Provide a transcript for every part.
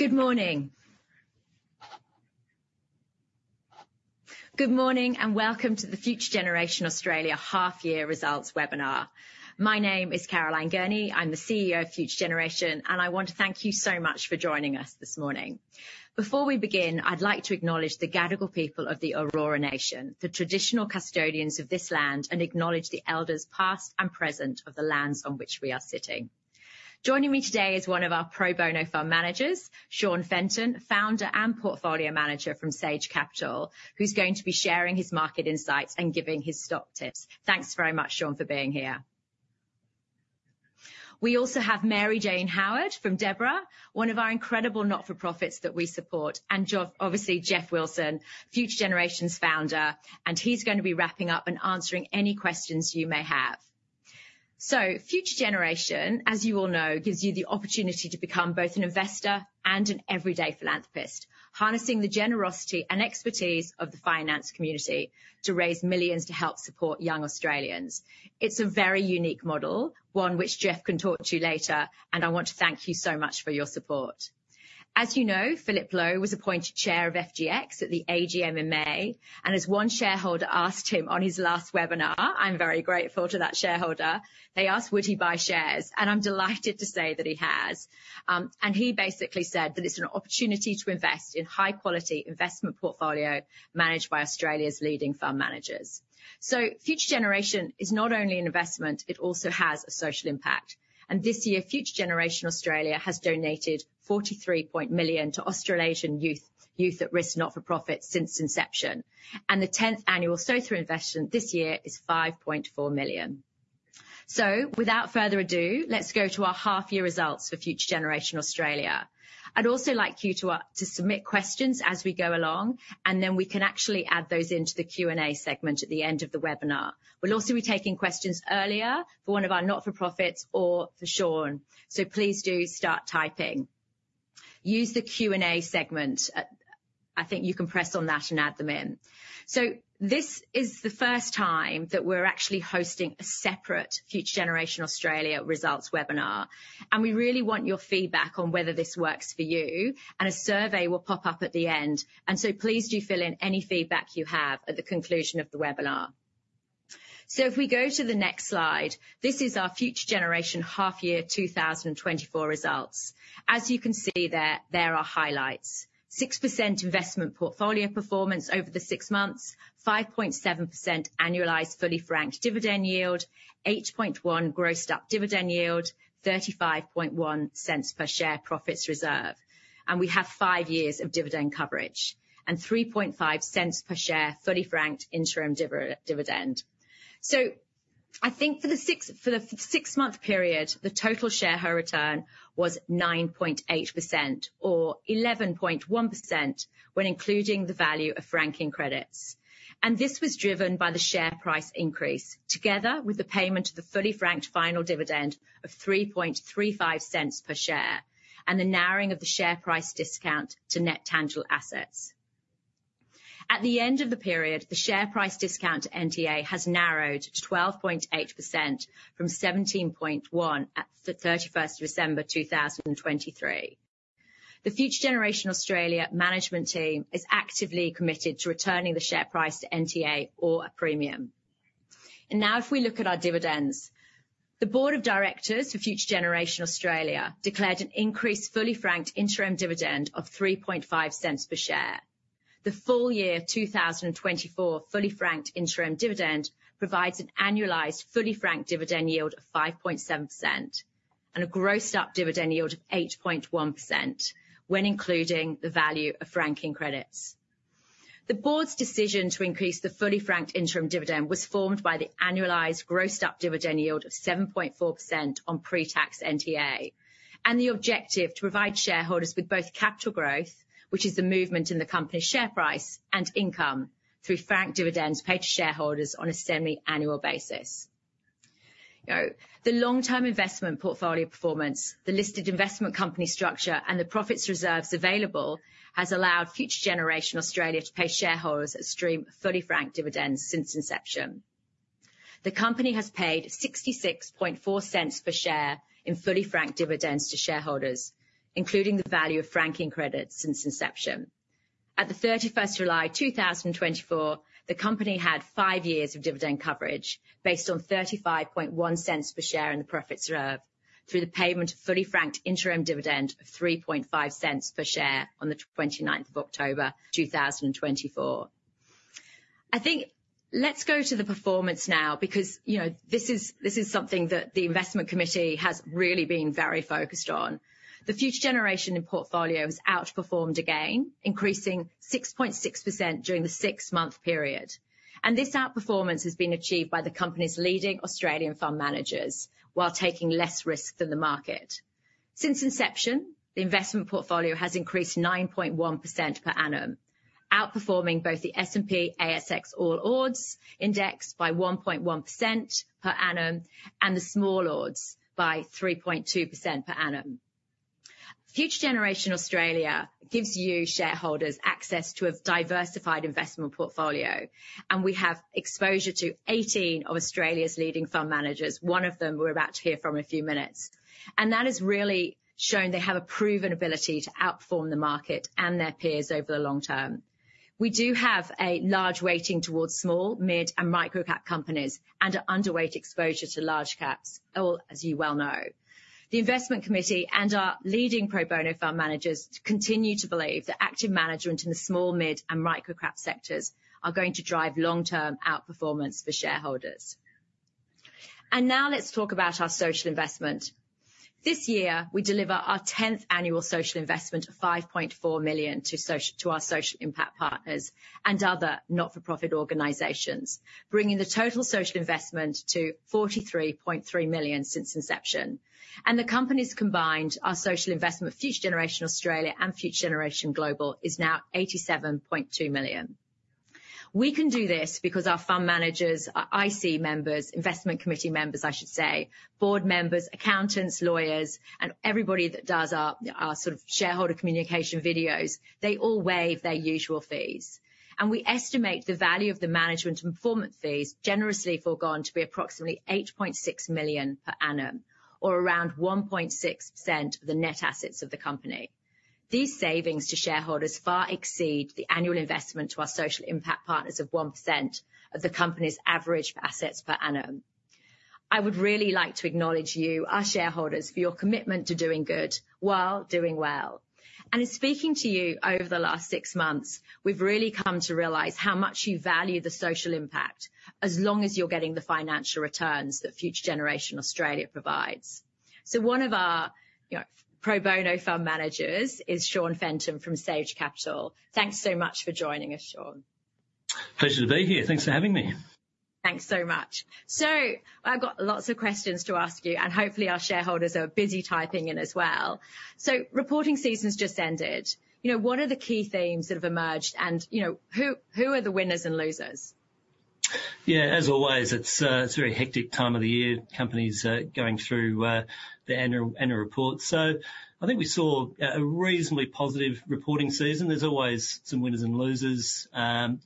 Good morning. Good morning, and welcome to the Future Generation Australia Half-Year Results Webinar. My name is Caroline Gurney. I'm the CEO of Future Generation, and I want to thank you so much for joining us this morning. Before we begin, I'd like to acknowledge the Gadigal people of the Eora nation, the traditional custodians of this land, and acknowledge the elders, past and present, of the lands on which we are sitting. Joining me today is one of our pro bono fund managers, Sean Fenton, founder and portfolio manager from Sage Capital, who's going to be sharing his market insights and giving his stock tips. Thanks very much, Sean, for being here. We also have Mary Jane Howard from DEBRA, one of our incredible not-for-profits that we support, and obviously, Geoff Wilson, Future Generation's founder, and he's going to be wrapping up and answering any questions you may have. Future Generation, as you all know, gives you the opportunity to become both an investor and an everyday philanthropist, harnessing the generosity and expertise of the finance community to raise millions to help support young Australians. It's a very unique model, one which Geoff can talk to you later, and I want to thank you so much for your support. As you know, Philip Lowe was appointed chair of FGX at the AGM in May, and as one shareholder asked him on his last webinar, I'm very grateful to that shareholder, they asked: Would he buy shares? I'm delighted to say that he has. And he basically said that it's an opportunity to invest in high-quality investment portfolio managed by Australia's leading fund managers, so Future Generation is not only an investment, it also has a social impact, and this year, Future Generation Australia has donated 43 million to Australasian youth, youth at risk, not-for-profit since inception, and the tenth annual social investment this year is 5.4 million, without further ado, let's go to our half-year results for Future Generation Australia. I'd also like you to submit questions as we go along, and then we can actually add those into the Q&A segment at the end of the webinar. We'll also be taking questions earlier for one of our not-for-profits or for Sean, so please do start typing. Use the Q&A segment. I think you can press on that and add them in. This is the first time that we're actually hosting a separate Future Generation Australia results webinar, and we really want your feedback on whether this works for you, and a survey will pop up at the end, and so please do fill in any feedback you have at the conclusion of the webinar. If we go to the next slide, this is our Future Generation half-year 2024 results. As you can see there, there are highlights. 6% investment portfolio performance over the six months, 5.7% annualized fully franked dividend yield, 8.1% grossed up dividend yield, 35.1 per share profits reserve, and we have five years of dividend coverage and 3.5 per share, fully franked interim dividend. I think for the six-month period, the total shareholder return was 9.8% or 11.1% when including the value of franking credits. This was driven by the share price increase, together with the payment of the fully franked final dividend of 3.35 per share, and the narrowing of the share price discount to net tangible assets. At the end of the period, the share price discount to NTA has narrowed to 12.8% from 17.1% at the thirty-first of December, 2023. The Future Generation Australia management team is actively committed to returning the share price to NTA or a premium. And now, if we look at our dividends, the board of directors for Future Generation Australia declared an increased, fully franked interim dividend of 0.035 per share. The full year 2024 fully franked interim dividend provides an annualized, fully franked dividend yield of 5.7% and a grossed up dividend yield of 8.1% when including the value of franking credits. The board's decision to increase the fully franked interim dividend was informed by the annualized grossed up dividend yield of 7.4% on pre-tax NTA, and the objective to provide shareholders with both capital growth, which is the movement in the company's share price and income through franked dividends paid to shareholders on a semi-annual basis. You know, the long-term investment portfolio performance, the listed investment company structure, and the profits reserves available has allowed Future Generation Australia to pay shareholders a stream of fully franked dividends since inception. The company has paid 0.664 per share in fully franked dividends to shareholders, including the value of franking credits since inception. At the thirty-first July two thousand and twenty-four, the company had five years of dividend coverage, based on 0.351 per share in the profits reserve through the payment of fully franked interim dividend of 0.035 per share on the twenty-ninth of October, two thousand and twenty-four. I think, let's go to the performance now, because, you know, this is something that the investment committee has really been very focused on. The Future Generation investment portfolio has outperformed again, increasing 6.6% during the six-month period. This outperformance has been achieved by the company's leading Australian fund managers while taking less risk than the market. Since inception, the investment portfolio has increased 9.1% per annum, outperforming both the S&P/ASX All Ords Index by 1.1% per annum and the Small Ords by 3.2% per annum. Future Generation Australia gives you shareholders access to a diversified investment portfolio, and we have exposure to 18 of Australia's leading fund managers. One of them, we're about to hear from in a few minutes. That has really shown they have a proven ability to outperform the market and their peers over the long term. We do have a large weighting towards small, mid, and micro-cap companies, and an underweight exposure to large caps, all as you well know. The investment committee and our leading pro bono fund managers continue to believe that active management in the small, mid, and micro-cap sectors are going to drive long-term outperformance for shareholders. And now let's talk about our social investment. This year, we deliver our tenth annual social investment of 5.4 million to our social impact partners and other not-for-profit organizations, bringing the total social investment to 43.3 million since inception. And the company's combined, our social investment, Future Generation Australia and Future Generation Global, is now 87.2 million. We can do this because our fund managers, our IC members, investment committee members, I should say, board members, accountants, lawyers, and everybody that does our, our sort of shareholder communication videos, they all waive their usual fees. We estimate the value of the management and performance fees generously forgone to be approximately 8.6 million per annum, or around 1.6% of the net assets of the company. These savings to shareholders far exceed the annual investment to our social impact partners of 1% of the company's average assets per annum. I would really like to acknowledge you, our shareholders, for your commitment to doing good while doing well. In speaking to you over the last six months, we've really come to realize how much you value the social impact, as long as you're getting the financial returns that Future Generation Australia provides. So one of our, you know, pro bono fund managers is Sean Fenton from Sage Capital. Thanks so much for joining us, Sean. Pleasure to be here. Thanks for having me. Thanks so much. So I've got lots of questions to ask you, and hopefully, our shareholders are busy typing in as well. So reporting seasons just ended. You know, what are the key themes that have emerged? And, you know, who are the winners and losers? Yeah, as always, it's a very hectic time of the year, companies going through their annual report. So I think we saw a reasonably positive reporting season. There's always some winners and losers.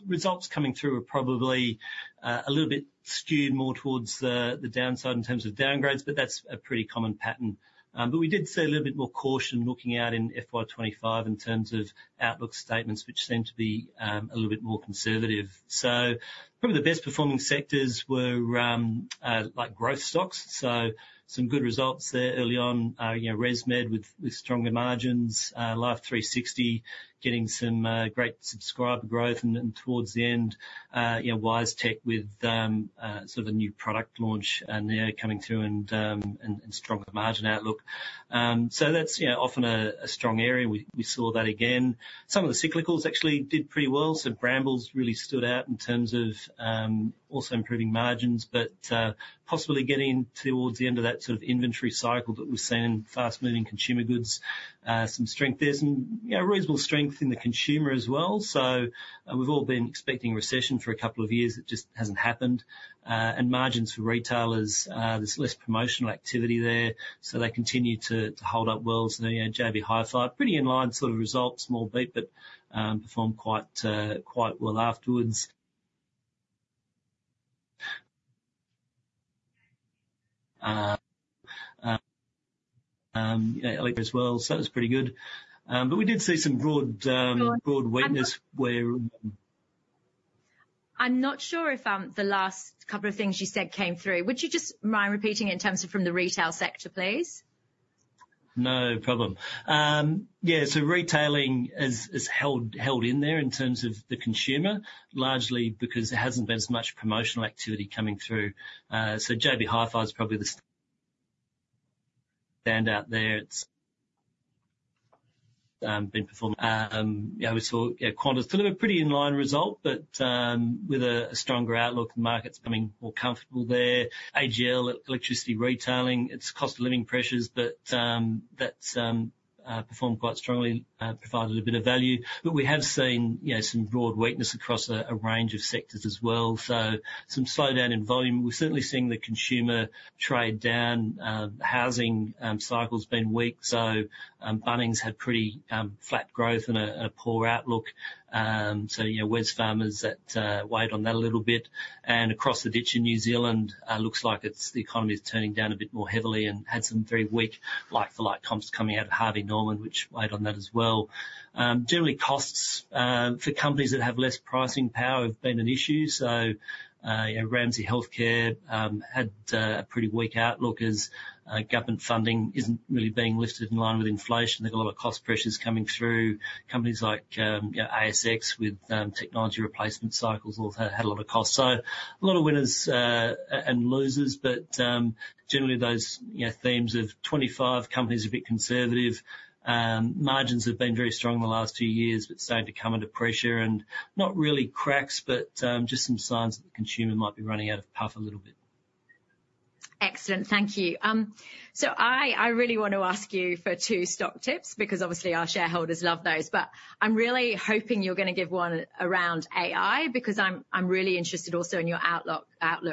Results coming through are probably a little bit skewed more towards the downside in terms of downgrades, but that's a pretty common pattern. But we did see a little bit more caution looking out in FY 2025 in terms of outlook statements, which seem to be a little bit more conservative. So probably the best performing sectors were like growth stocks, so some good results there early on. You know, ResMed with stronger margins, Life360 getting some great subscriber growth, and towards the end, you know, WiseTech with sort of a new product launch now coming through and stronger margin outlook. So that's you know often a strong area. We saw that again. Some of the cyclicals actually did pretty well, so Bramble's really stood out in terms of also improving margins, but possibly getting towards the end of that sort of inventory cycle that we've seen in fast-moving consumer goods. Some strength there, and you know reasonable strength in the consumer as well. So we've all been expecting a recession for a couple of years. It just hasn't happened. And margins for retailers, there's less promotional activity there, so they continue to hold up well. So, you know, JB Hi-Fi, pretty in line sort of results, small beat, but performed quite well afterwards. You know, as well, so it was pretty good. But we did see some broad weakness where- I'm not sure if the last couple of things you said came through. Would you just mind repeating in terms of from the retail sector, please? No problem. Yeah, so retailing is held in there in terms of the consumer, largely because there hasn't been as much promotional activity coming through. So JB Hi-Fi is probably the standout there. It's been performing. Yeah, we saw Qantas deliver pretty in line result, but with a stronger outlook, the market's becoming more comfortable there. AGL, electricity retailing, it's cost of living pressures, but that's performed quite strongly, provided a bit of value. But we have seen, you know, some broad weakness across a range of sectors as well, so some slowdown in volume. We're certainly seeing the consumer trade down. Housing cycle's been weak, so Bunnings had pretty flat growth and a poor outlook. So, you know, Wesfarmers that weighed on that a little bit. And across the ditch in New Zealand, looks like it's the economy is turning down a bit more heavily and had some very weak like-for-like comps coming out of Harvey Norman, which weighed on that as well. Generally costs for companies that have less pricing power have been an issue, so you know, Ramsay Health Care had a pretty weak outlook as government funding isn't really being lifted in line with inflation. They've got a lot of cost pressures coming through. Companies like you know, ASX with technology replacement cycles also had a lot of costs. So a lot of winners and losers, but generally, those you know, themes of twenty-five companies, a bit conservative. Margins have been very strong in the last two years, but starting to come under pressure and not really cracks, but just some signs that the consumer might be running out of puff a little bit. Excellent. Thank you. So I really want to ask you for two stock tips, because obviously our shareholders love those, but I'm really hoping you're gonna give one around AI, because I'm really interested also in your outlook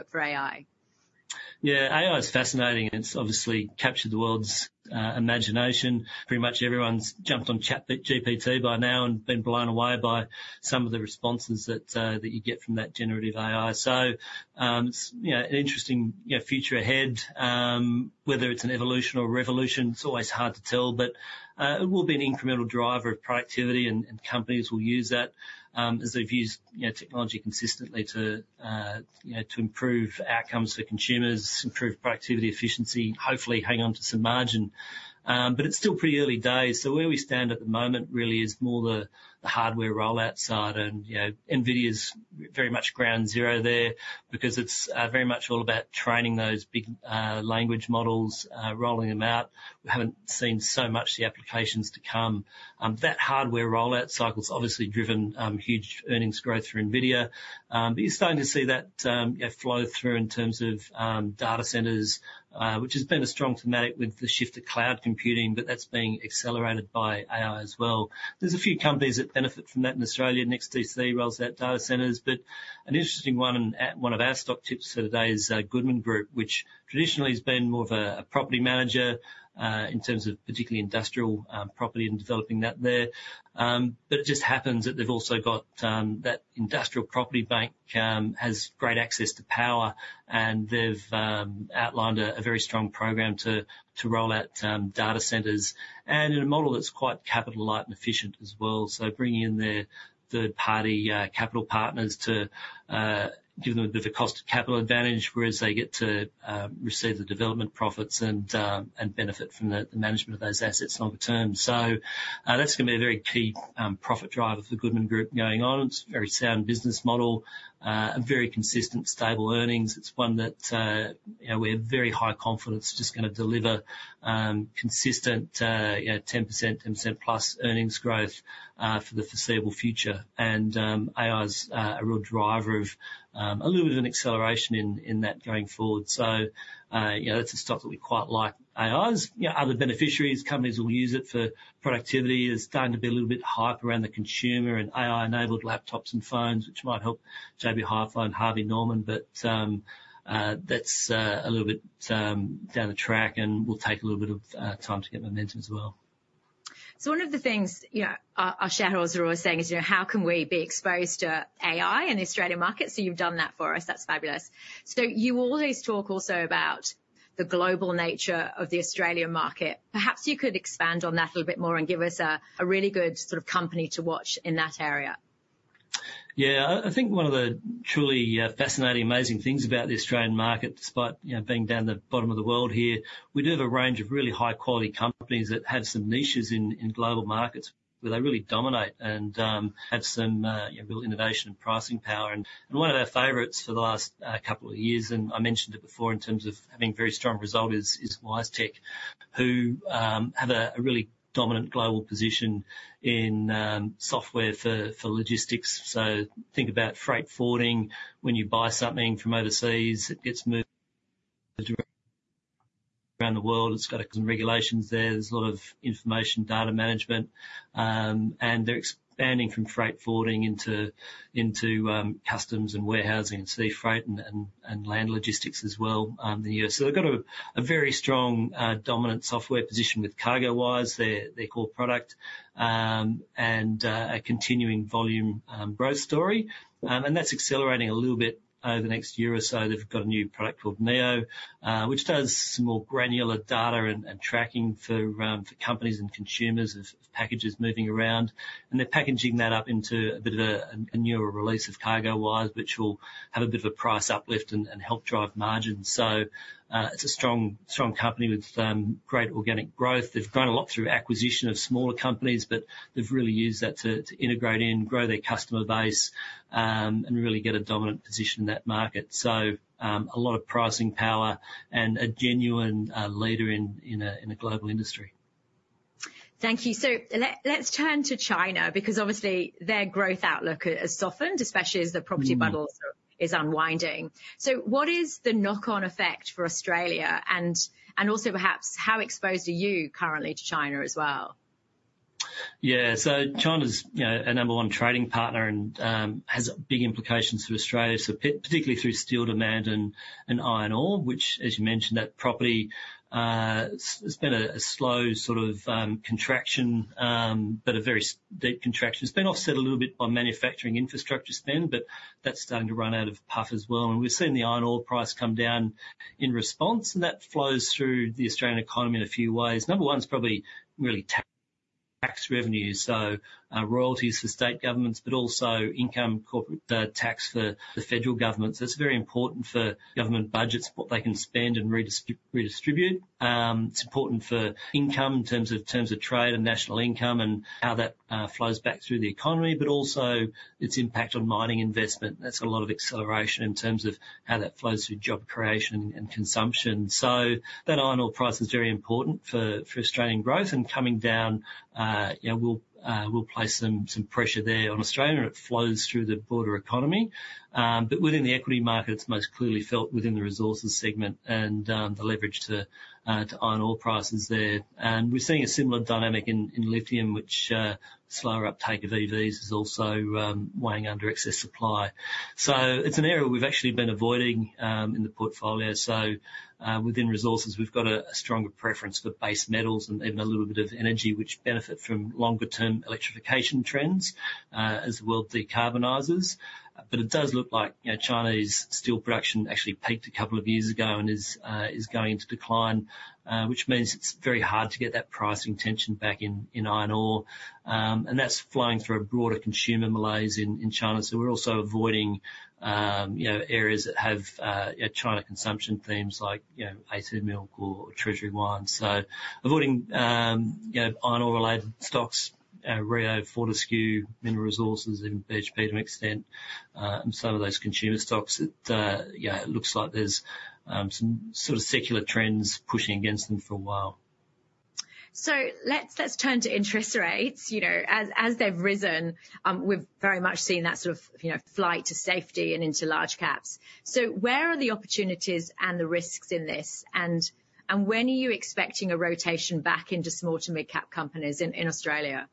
for AI. ... Yeah, AI is fascinating, and it's obviously captured the world's imagination. Pretty much everyone's jumped on ChatGPT by now and been blown away by some of the responses that you get from that generative AI. So, it's, you know, an interesting, you know, future ahead. Whether it's an evolution or a revolution, it's always hard to tell, but it will be an incremental driver of productivity, and companies will use that, as they've used, you know, technology consistently to, you know, to improve outcomes for consumers, improve productivity, efficiency, hopefully hang on to some margin. But it's still pretty early days, so where we stand at the moment really is more the hardware rollout side. You know, NVIDIA's very much ground zero there because it's very much all about training those big language models, rolling them out. We haven't seen so much the applications to come. That hardware rollout cycle has obviously driven huge earnings growth for NVIDIA, but you're starting to see that, you know, flow through in terms of data centers, which has been a strong thematic with the shift to cloud computing, but that's being accelerated by AI as well. There's a few companies that benefit from that in Australia. NEXTDC rolls out data centers, but an interesting one, and at one of our stock tips for today is Goodman Group, which traditionally has been more of a property manager in terms of particularly industrial property and developing that there. But it just happens that they've also got that industrial property bank has great access to power, and they've outlined a very strong program to roll out data centers, and in a model that's quite capital light and efficient as well. So bringing in their third party capital partners to give them a bit of a cost of capital advantage, whereas they get to receive the development profits and benefit from the management of those assets longer term. So that's gonna be a very key profit driver for the Goodman Group going on. It's a very sound business model, a very consistent, stable earnings. It's one that, you know, we have very high confidence just gonna deliver, consistent, you know, 10%, 10% plus earnings growth, for the foreseeable future. And, AI is, a real driver of, a little bit of an acceleration in, that going forward. So, you know, that's a stock that we quite like. AI's, you know, other beneficiaries, companies will use it for productivity. It's starting to be a little bit hype around the consumer and AI-enabled laptops and phones, which might help JB Hi-Fi and Harvey Norman, but, that's, a little bit, down the track and will take a little bit of, time to get momentum as well. So one of the things, you know, our shareholders are always saying is, you know, "How can we be exposed to AI in the Australian market?" So you've done that for us. That's fabulous. So you always talk also about the global nature of the Australian market. Perhaps you could expand on that a little bit more and give us a really good sort of company to watch in that area. Yeah, I think one of the truly fascinating, amazing things about the Australian market, despite, you know, being down the bottom of the world here, we do have a range of really high quality companies that have some niches in global markets where they really dominate and have some, you know, real innovation and pricing power. And one of their favorites for the last couple of years, and I mentioned it before in terms of having very strong result is WiseTech, who have a really dominant global position in software for logistics. So think about freight forwarding. When you buy something from overseas, it gets moved around the world. It's got some regulations there. There's a lot of information, data management, and they're expanding from freight forwarding into customs and warehousing and sea freight and land logistics as well, in the U.S. So they've got a very strong dominant software position with CargoWise, their core product, and a continuing volume growth story, and that's accelerating a little bit over the next year or so. They've got a new product called Neo, which does some more granular data and tracking for companies and consumers as packages moving around. They're packaging that up into a bit of a newer release of CargoWise, which will have a bit of a price uplift and help drive margins. So it's a strong company with great organic growth. They've grown a lot through acquisition of smaller companies, but they've really used that to integrate in, grow their customer base, and really get a dominant position in that market. So, a lot of pricing power and a genuine leader in a global industry. Thank you. So let's turn to China, because obviously their growth outlook has softened, especially as the property bubble is unwinding. So what is the knock-on effect for Australia? And, also perhaps how exposed are you currently to China as well? Yeah, so China's, you know, a number one trading partner and has big implications for Australia, so particularly through steel demand and iron ore, which as you mentioned, that property has been a slow sort of contraction, but a very deep contraction. It's been offset a little bit by manufacturing infrastructure spend, but that's starting to run out of puff as well. And we've seen the iron ore price come down in response, and that flows through the Australian economy in a few ways. Number one is probably really tax revenues, so royalties for state governments, but also income corporate tax for the federal government. So it's very important for government budgets, what they can spend and redistribute. It's important for income in terms of trade and national income and how that flows back through the economy, but also its impact on mining investment. That's got a lot of acceleration in terms of how that flows through job creation and consumption, so that iron ore price is very important for Australian growth and coming down, you know, will place some pressure there on Australia and it flows through the broader economy, but within the equity market, it's most clearly felt within the resources segment and the leverage to iron ore prices there, and we're seeing a similar dynamic in lithium, which slower uptake of EVs is also weighing under excess supply, so it's an area we've actually been avoiding in the portfolio. So, within resources, we've got a stronger preference for base metals and even a little bit of energy, which benefit from longer term electrification trends, as well as decarbonizers. But it does look like, you know, China's steel production actually peaked a couple of years ago and is going into decline, which means it's very hard to get that pricing tension back in iron ore. And that's flowing through a broader consumer malaise in China. So we're also avoiding, you know, areas that have, yeah, China consumption themes like, you know, a2 Milk or Treasury Wine. So avoiding, you know, iron ore-related stocks, Rio, Fortescue, Mineral Resources, and BHP to an extent, and some of those consumer stocks, yeah, it looks like there's some sort of secular trends pushing against them for a while. So let's turn to interest rates. You know, as they've risen, we've very much seen that sort of, you know, flight to safety and into large caps. So where are the opportunities and the risks in this? And when are you expecting a rotation back into small to mid-cap companies in Australia?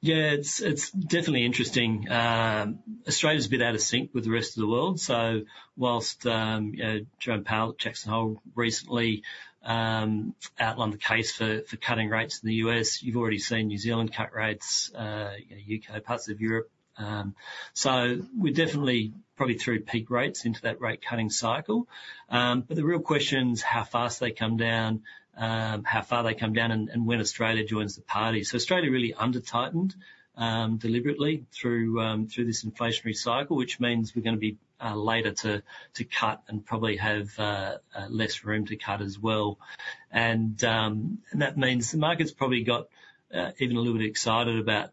Yeah, it's definitely interesting. Australia's a bit out of sync with the rest of the world. So whilst you know, Jerome Powell at Jackson Hole recently outlined the case for cutting rates in the U.S., you've already seen New Zealand cut rates, you know, U.K., parts of Europe. So we're definitely probably through peak rates into that rate cutting cycle. But the real question is how fast they come down, how far they come down, and when Australia joins the party. So Australia really under tightened deliberately through this inflationary cycle, which means we're gonna be later to cut and probably have less room to cut as well. And that means the market's probably got even a little bit excited about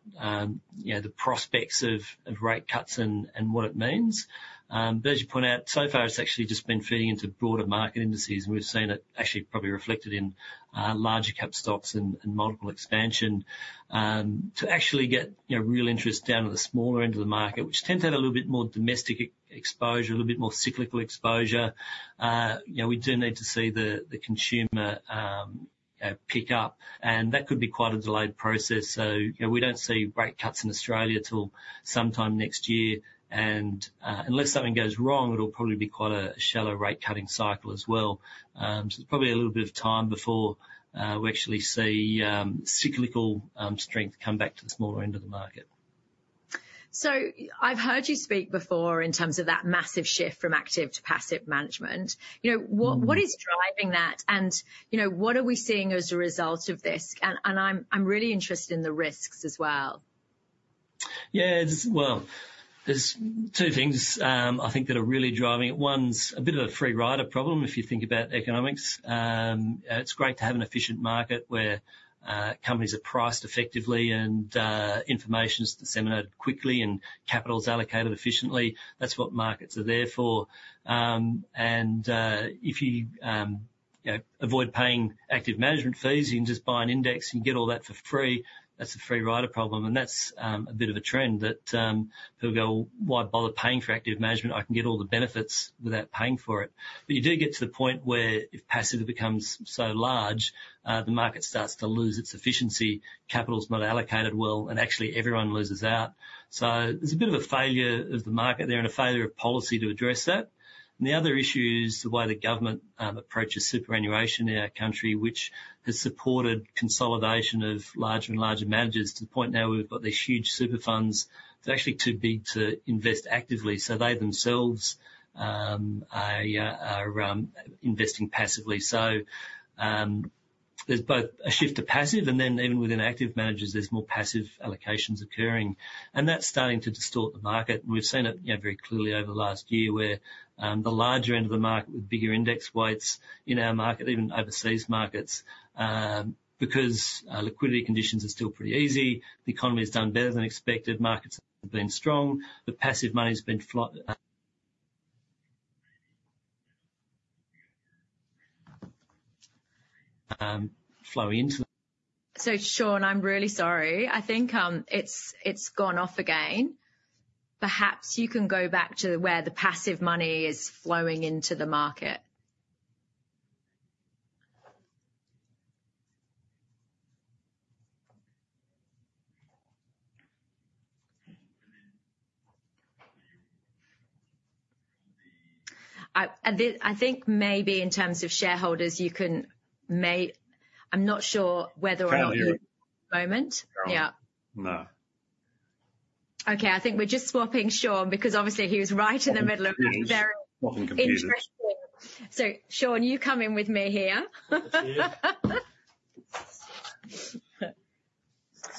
you know the prospects of rate cuts and what it means. But as you point out, so far, it's actually just been feeding into broader market indices, and we've seen it actually probably reflected in larger cap stocks and multiple expansion. To actually get you know real interest down at the smaller end of the market, which tends to have a little bit more domestic exposure, a little bit more cyclical exposure. You know we do need to see the consumer pick up, and that could be quite a delayed process. So you know we don't see rate cuts in Australia till sometime next year, and unless something goes wrong, it'll probably be quite a shallow rate cutting cycle as well. There's probably a little bit of time before we actually see cyclical strength come back to the smaller end of the market. So I've heard you speak before in terms of that massive shift from active to passive management. You know, what is driving that? And, you know, what are we seeing as a result of this? And I'm really interested in the risks as well. Yeah, it's well, there's two things, I think that are really driving it. One's a bit of a free rider problem, if you think about economics. It's great to have an efficient market where companies are priced effectively, and information is disseminated quickly and capital is allocated efficiently. That's what markets are there for. If you, you know, avoid paying active management fees, you can just buy an index and get all that for free. That's a free rider problem, and that's a bit of a trend that people go, "Why bother paying for active management? I can get all the benefits without paying for it." But you do get to the point where if passive becomes so large, the market starts to lose its efficiency, capital's not allocated well, and actually everyone loses out. So there's a bit of a failure of the market there and a failure of policy to address that. And the other issue is the way the government approaches superannuation in our country, which has supported consolidation of larger and larger managers, to the point now where we've got these huge super funds, they're actually too big to invest actively. So they themselves are investing passively. So there's both a shift to passive, and then even within active managers, there's more passive allocations occurring, and that's starting to distort the market. We've seen it, you know, very clearly over the last year, where the larger end of the market with bigger index weights in our market, even overseas markets, because liquidity conditions are still pretty easy, the economy has done better than expected, markets have been strong, the passive money has been flowing into the- So Sean, I'm really sorry. I think it's gone off again. Perhaps you can go back to where the passive money is flowing into the market. I think maybe in terms of shareholders, you can ma... I'm not sure whether or not- Can't hear you. At the moment. Yeah. No. Okay, I think we're just swapping Sean, because obviously he was right in the middle of a very- Often confused. Interesting. So Sean, you come in with me here.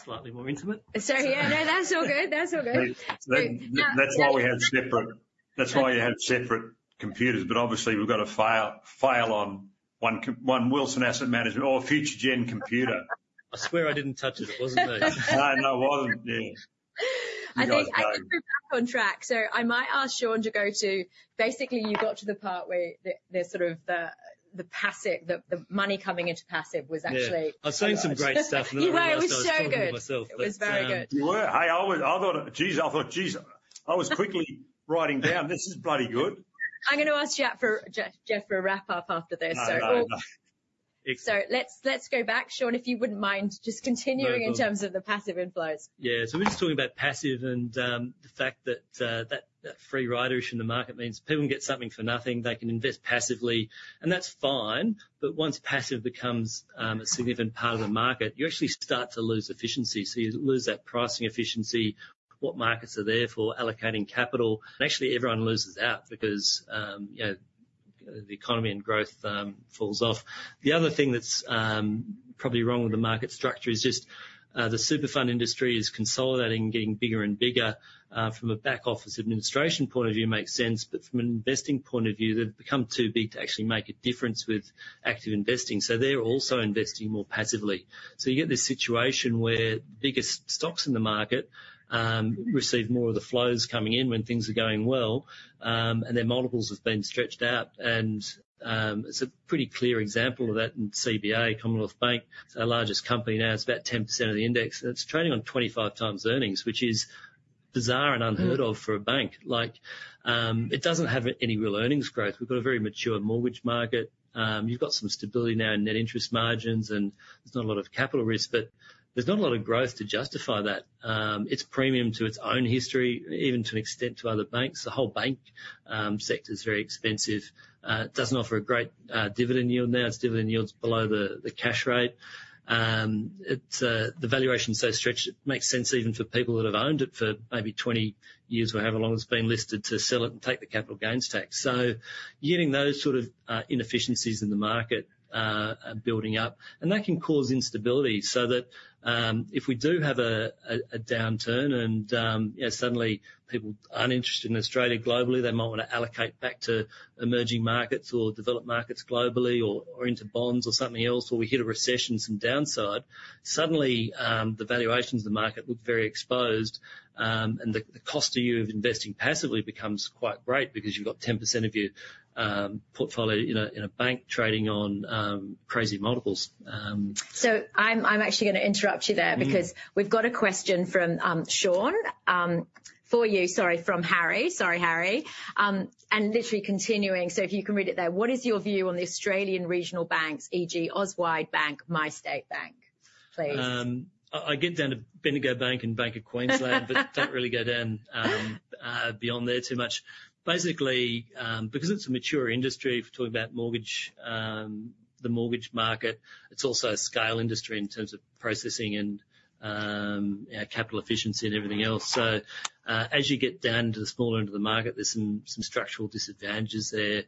Slightly more intimate? So, yeah. No, that's all good. That's all good. That's why we have separate computers, but obviously we've got a failover on one Wilson Asset Management or a Future Gen computer. I swear I didn't touch it. It wasn't me. No, it wasn't you. You guys know. I think we're back on track, so I might ask Sean to go to... Basically, you got to the part where the sort of passive money coming into passive was actually- Yeah. I was saying some great stuff. You were. It was so good. I was talking to myself. It was very good. You were. Hey, I thought, geez! I thought, geez, I was quickly writing down. This is bloody good. I'm gonna ask Geoff for a wrap up after this, so. No, no, no. ... So let's go back, Sean, if you wouldn't mind just continuing- No, go. In terms of the passive inflows. Yeah. So we're just talking about passive and the fact that free riders in the market means people can get something for nothing. They can invest passively, and that's fine, but once passive becomes a significant part of the market, you actually start to lose efficiency. So you lose that pricing efficiency, what markets are there for allocating capital, and actually everyone loses out because you know, the economy and growth falls off. The other thing that's probably wrong with the market structure is just the super fund industry is consolidating and getting bigger and bigger. From a back office administration point of view, it makes sense, but from an investing point of view, they've become too big to actually make a difference with active investing. So they're also investing more passively. So you get this situation where the biggest stocks in the market receive more of the flows coming in when things are going well, and their multiples have been stretched out. And, it's a pretty clear example of that in CBA, Commonwealth Bank. It's our largest company now. It's about 10% of the index, and it's trading on 25 times earnings, which is bizarre and unheard of for a bank. Like, it doesn't have any real earnings growth. We've got a very mature mortgage market. You've got some stability now in net interest margins, and there's not a lot of capital risk, but there's not a lot of growth to justify that. It's premium to its own history, even to an extent to other banks. The whole bank sector is very expensive. It doesn't offer a great dividend yield now. Its dividend yield's below the cash rate. The valuation is so stretched, it makes sense even for people that have owned it for maybe twenty years or however long it's been listed, to sell it and take the capital gains tax. You're getting those sort of inefficiencies in the market building up, and that can cause instability, so that if we do have a downturn and you know, suddenly people aren't interested in Australia globally, they might want to allocate back to emerging markets or developed markets globally or into bonds or something else, or we hit a recession, some downside. Suddenly, the valuations in the market look very exposed, and the cost to you of investing passively becomes quite great because you've got 10% of your portfolio in a bank trading on crazy multiples. So I'm actually gonna interrupt you there- Mm. -because we've got a question from Sean for you. Sorry, from Harry. Sorry, Harry. And literally continuing, so if you can read it there: What is your view on the Australian regional banks, e.g. Auswide Bank, MyState Bank? Please. I get down to Bendigo Bank and Bank of Queensland but don't really go down beyond there too much. Basically, because it's a mature industry, if you're talking about mortgage, the mortgage market, it's also a scale industry in terms of processing and capital efficiency and everything else. So, as you get down to the smaller end of the market, there's some structural disadvantages there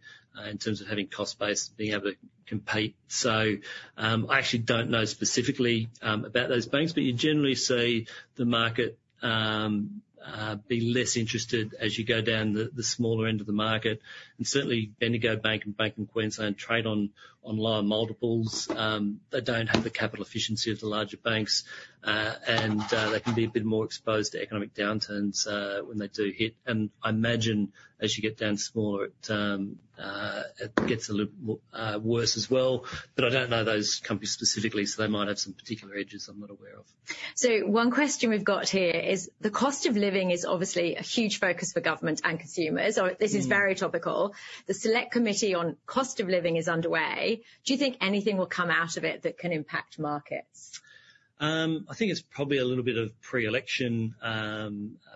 in terms of having cost base, being able to compete. So, I actually don't know specifically about those banks, but you generally see the market be less interested as you go down the smaller end of the market, and certainly Bendigo Bank and Bank of Queensland trade on lower multiples. They don't have the capital efficiency of the larger banks, and they can be a bit more exposed to economic downturns when they do hit. And I imagine as you get down smaller, it gets a little worse as well. But I don't know those companies specifically, so they might have some particular edges I'm not aware of. So one question we've got here is, the cost of living is obviously a huge focus for government and consumers. So- Mm. This is very topical. The select committee on cost of living is underway. Do you think anything will come out of it that can impact markets? I think it's probably a little bit of pre-election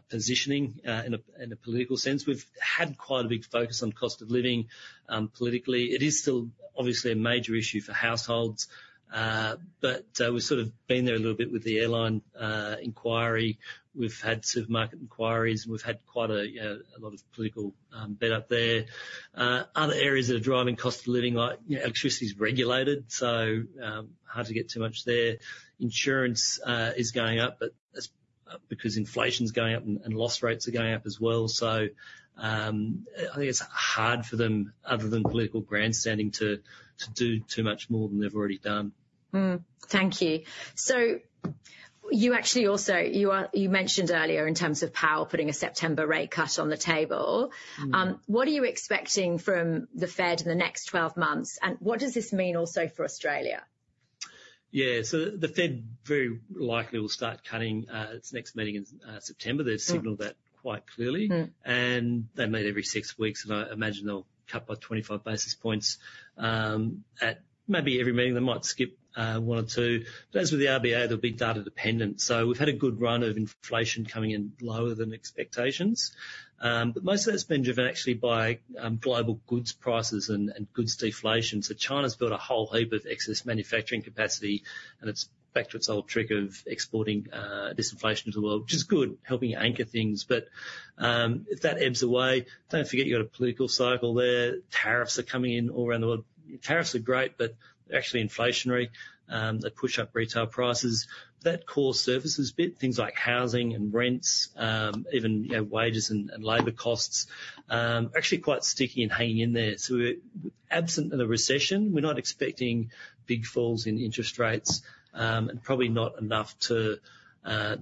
positioning in a political sense. We've had quite a big focus on cost of living politically. It is still obviously a major issue for households, but we've sort of been there a little bit with the airline inquiry. We've had supermarket inquiries, and we've had quite a lot of political beat-up there. Other areas that are driving cost of living are, you know, electricity is regulated, so hard to get too much there. Insurance is going up, but that's because inflation's going up and loss rates are going up as well. I think it's hard for them, other than political grandstanding, to do too much more than they've already done. Thank you. So you actually also mentioned earlier in terms of Powell putting a September rate cut on the table. Mm. What are you expecting from the Fed in the next twelve months, and what does this mean also for Australia? Yeah. So the Fed very likely will start cutting its next meeting in September. Mm. They've signaled that quite clearly. Mm. And they meet every six weeks, and I imagine they'll cut by 25 basis points at maybe every meeting. They might skip one or two, but as with the RBA, they'll be data dependent. So we've had a good run of inflation coming in lower than expectations. But most of that's been driven actually by global goods prices and goods deflation. So China's built a whole heap of excess manufacturing capacity, and it's back to its old trick of exporting disinflation to the world, which is good, helping anchor things. But if that ebbs away, don't forget you've got a political cycle there. Tariffs are coming in all around the world. Tariffs are great, but they're actually inflationary. They push up retail prices. That core services bit, things like housing and rents, even, you know, wages and labor costs, are actually quite sticky and hanging in there. So absent of the recession, we're not expecting big falls in interest rates, and probably not enough to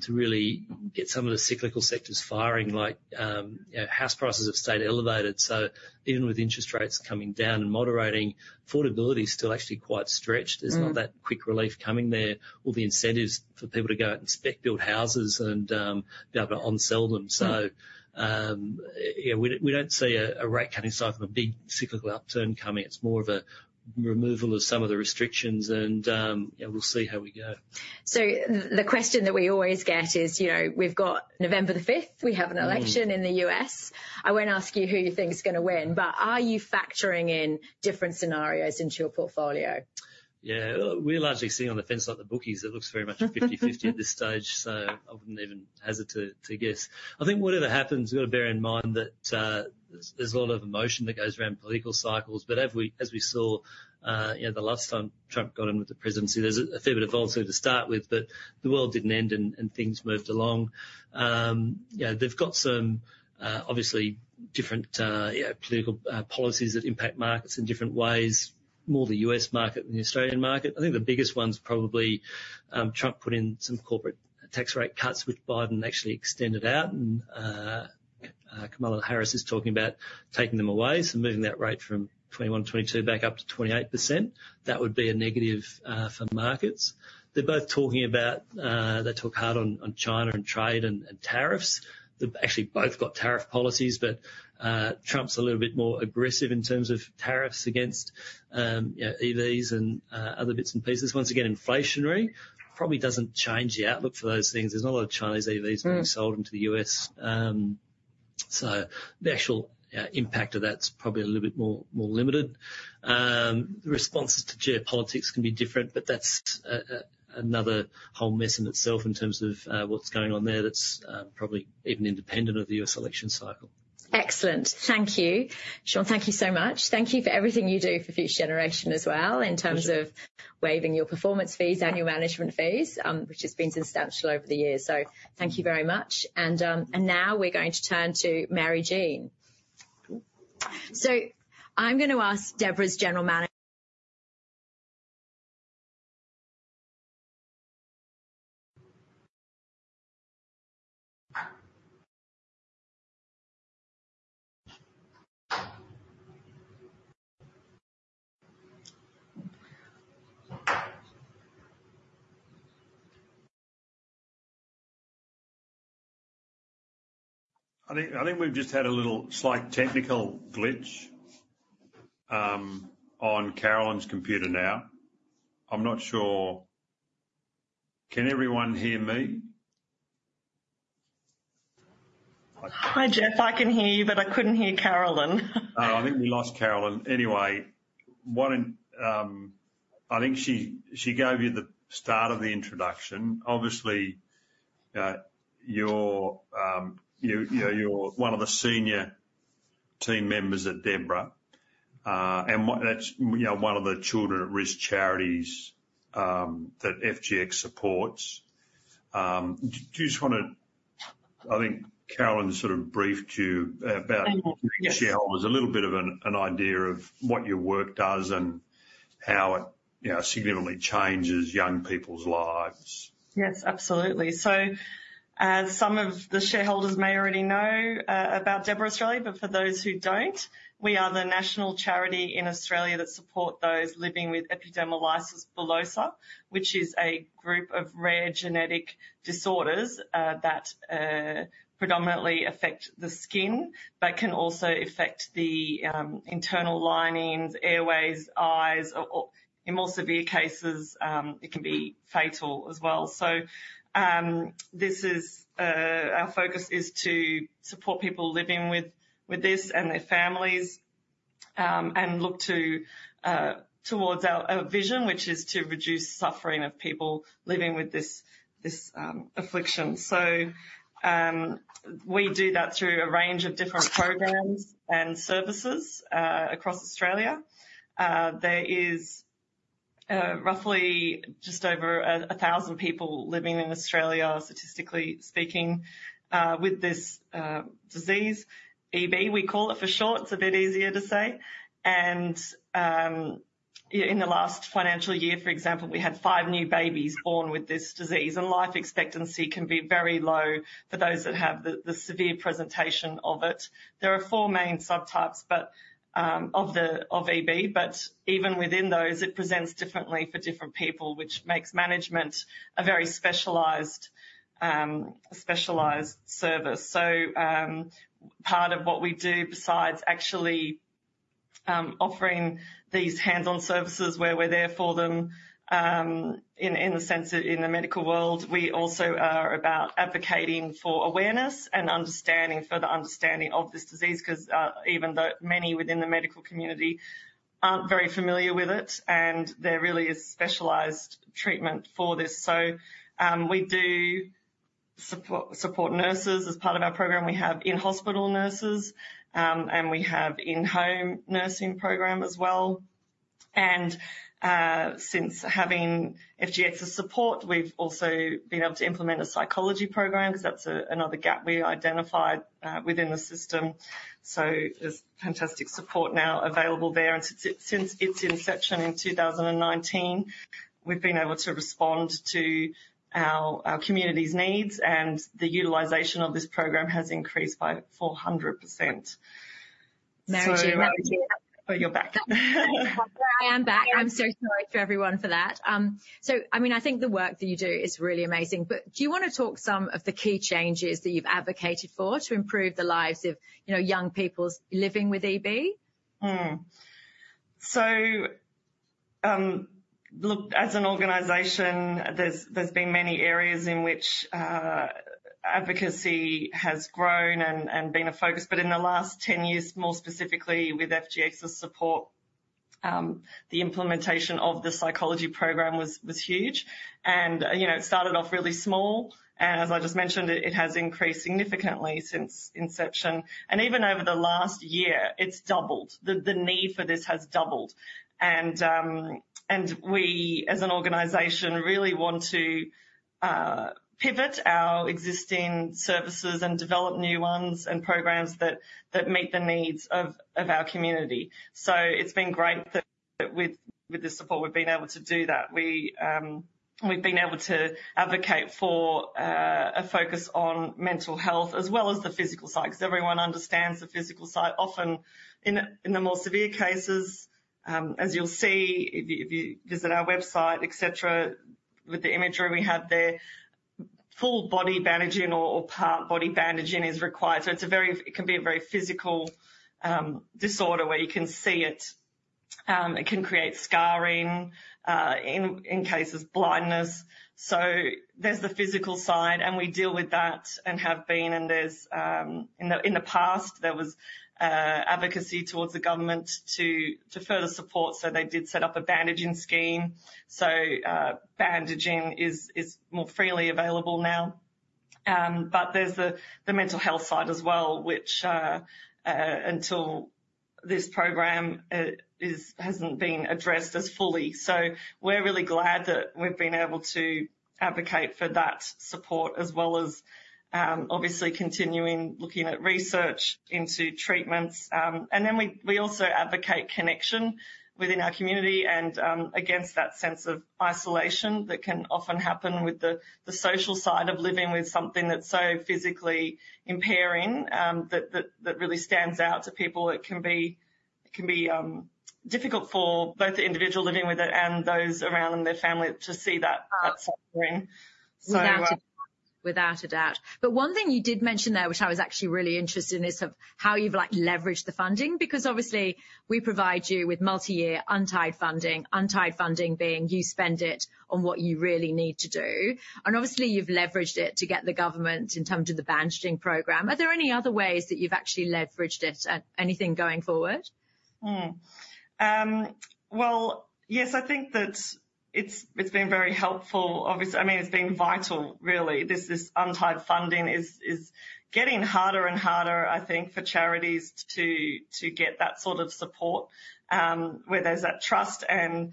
really get some of the cyclical sectors firing, like, you know, house prices have stayed elevated. So even with interest rates coming down and moderating, affordability is still actually quite stretched. There's not that quick relief coming there, or the incentives for people to go out and spec build houses and, be able to onsell them, so, yeah, we don't see a rate cut in sight from a big cyclical upturn coming. It's more of a removal of some of the restrictions and, yeah, we'll see how we go. So the question that we always get is, you know, we've got November the fifth, we have an election in the U.S. I won't ask you who you think is gonna win, but are you factoring in different scenarios into your portfolio? Yeah. We're largely sitting on the fence like the bookies. It looks very much fifty-fifty at this stage, so I wouldn't even hazard to guess. I think whatever happens, you've got to bear in mind that there's a lot of emotion that goes around political cycles. But as we saw, you know, the last time Trump got in with the presidency, there's a fair bit of volatility to start with, but the world didn't end and things moved along. You know, they've got some obviously different political policies that impact markets in different ways, more the U.S. market than the Australian market. I think the biggest one's probably Trump put in some corporate tax rate cuts, which Biden actually extended out, and Kamala Harris is talking about taking them away. Moving that rate from 21, 22 back up to 28%, that would be a negative for markets. They're both talking about they talk hard on China and trade and tariffs. They've actually both got tariff policies, but Trump's a little bit more aggressive in terms of tariffs against you know EVs and other bits and pieces. Once again, inflationary probably doesn't change the outlook for those things. There's not a lot of Chinese EVs being sold into the U.S., so the actual impact of that's probably a little bit more limited. The responses to geopolitics can be different, but that's another whole mess in itself in terms of what's going on there, that's probably even independent of the U.S. election cycle. Excellent. Thank you, Sean. Thank you so much. Thank you for everything you do for Future Generation as well, in terms of- Pleasure... waiving your performance fees and your management fees, which has been substantial over the years. So thank you very much. And, and now we're going to turn to Mary Jane. So I'm gonna ask DEBRA's general manager- I think we've just had a little slight technical glitch on Caroline's computer now. I'm not sure. Can everyone hear me? Hi, Geoff. I can hear you, but I couldn't hear Caroline. Oh, I think we lost Caroline. Anyway, I think she gave you the start of the introduction. Obviously, you're, you know, you're one of the senior team members at DEBRA, and what-- that's, you know, one of the Children At Risk charities that FGX supports. Do you just wanna... I think Caroline sort of briefed you about- Yes. There's a little bit of an idea of what your work does and how it, you know, significantly changes young people's lives. Yes, absolutely. So, as some of the shareholders may already know, about DEBRA Australia, but for those who don't, we are the national charity in Australia that support those living with epidermolysis bullosa, which is a group of rare genetic disorders that predominantly affect the skin, but can also affect the internal linings, airways, eyes, or in more severe cases, it can be fatal as well. So, this is our focus is to support people living with this and their families, and look towards our vision, which is to reduce suffering of people living with this affliction. So, we do that through a range of different programs and services across Australia. There is roughly just over a thousand people living in Australia, statistically speaking, with this disease. EB, we call it for short, it's a bit easier to say. And in the last financial year, for example, we had five new babies born with this disease, and life expectancy can be very low for those that have the severe presentation of it. There are four main subtypes, but of EB, but even within those, it presents differently for different people, which makes management a very specialized service. So part of what we do besides actually offering these hands-on services where we're there for them, in the sense that in the medical world, we also are about advocating for awareness and understanding, further understanding of this disease, 'cause even though many within the medical community aren't very familiar with it, and there really is specialized treatment for this. We do support nurses as part of our program. We have in-hospital nurses, and we have in-home nursing program as well. Since having FGX's support, we've also been able to implement a psychology program, because that's another gap we identified within the system. There's fantastic support now available there, and since its inception in two thousand and nineteen, we've been able to respond to our community's needs, and the utilization of this program has increased by 400%. Oh, you're back. I am back. I'm so sorry for everyone for that. So, I mean, I think the work that you do is really amazing, but do you wanna talk some of the key changes that you've advocated for to improve the lives of, you know, young people living with EB? So look, as an organization, there's been many areas in which advocacy has grown and been a focus, but in the last 10 years, more specifically with FGX's support, the implementation of the psychology program was huge. And you know, it started off really small, and as I just mentioned, it has increased significantly since inception, and even over the last year, it's doubled. The need for this has doubled. And we, as an organization, really want to pivot our existing services and develop new ones and programs that meet the needs of our community. So it's been great that with the support, we've been able to do that. We, we've been able to advocate for, a focus on mental health as well as the physical side, because everyone understands the physical side. Often in the more severe cases, as you'll see if you visit our website, et cetera, with the imagery we have there, full body bandaging or part body bandaging is required. So it's a very, it can be a very physical disorder, where you can see it. It can create scarring, in cases, blindness. So there's the physical side, and we deal with that and have been, and there's... In the past, there was advocacy towards the government to further support. So they did set up a bandaging scheme. So, bandaging is more freely available now. But there's the mental health side as well, which, until this program, hasn't been addressed as fully. So we're really glad that we've been able to advocate for that support, as well as, obviously continuing looking at research into treatments. And then we also advocate connection within our community and, against that sense of isolation that can often happen with the social side of living with something that's so physically impairing, that really stands out to people. It can be difficult for both the individual living with it and those around them, their family, to see that suffering. So, Without a doubt. But one thing you did mention there, which I was actually really interested in, is of how you've like leveraged the funding, because obviously we provide you with multi-year, untied funding. Untied funding being you spend it on what you really need to do, and obviously, you've leveraged it to get the government in terms of the bandaging program. Are there any other ways that you've actually leveraged it, anything going forward? Well, yes, I think that it's been very helpful, obviously. I mean, it's been vital, really. This unrestricted funding is getting harder and harder, I think, for charities to get that sort of support, where there's that trust and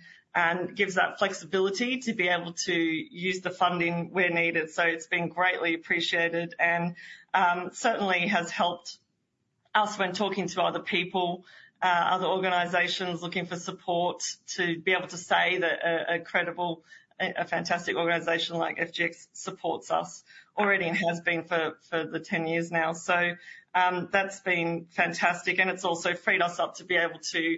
gives that flexibility to be able to use the funding where needed. So it's been greatly appreciated and certainly has helped us when talking to other people, other organizations looking for support, to be able to say that a credible, a fantastic organization like FGX supports us already and has been for 10 years now. So, that's been fantastic, and it's also freed us up to be able to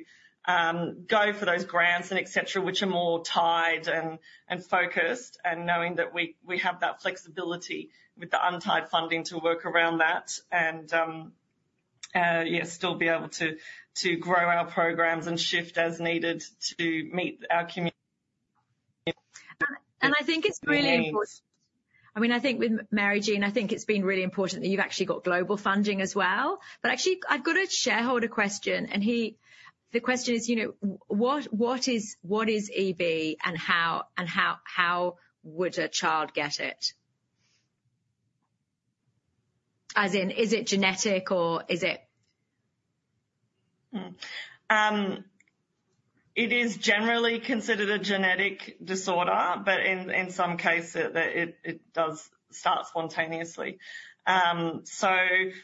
go for those grants and et cetera, which are more tied and focused, and knowing that we have that flexibility with the untied funding to work around that and, yeah, still be able to grow our programs and shift as needed to meet our community. I think it's really important. I mean, I think with Mary Jane, I think it's been really important that you've actually got global funding as well. But actually, I've got a shareholder question, and he, the question is, you know, what is EB and how would a child get it? As in, is it genetic or is it... It is generally considered a genetic disorder, but in some cases, it does start spontaneously. So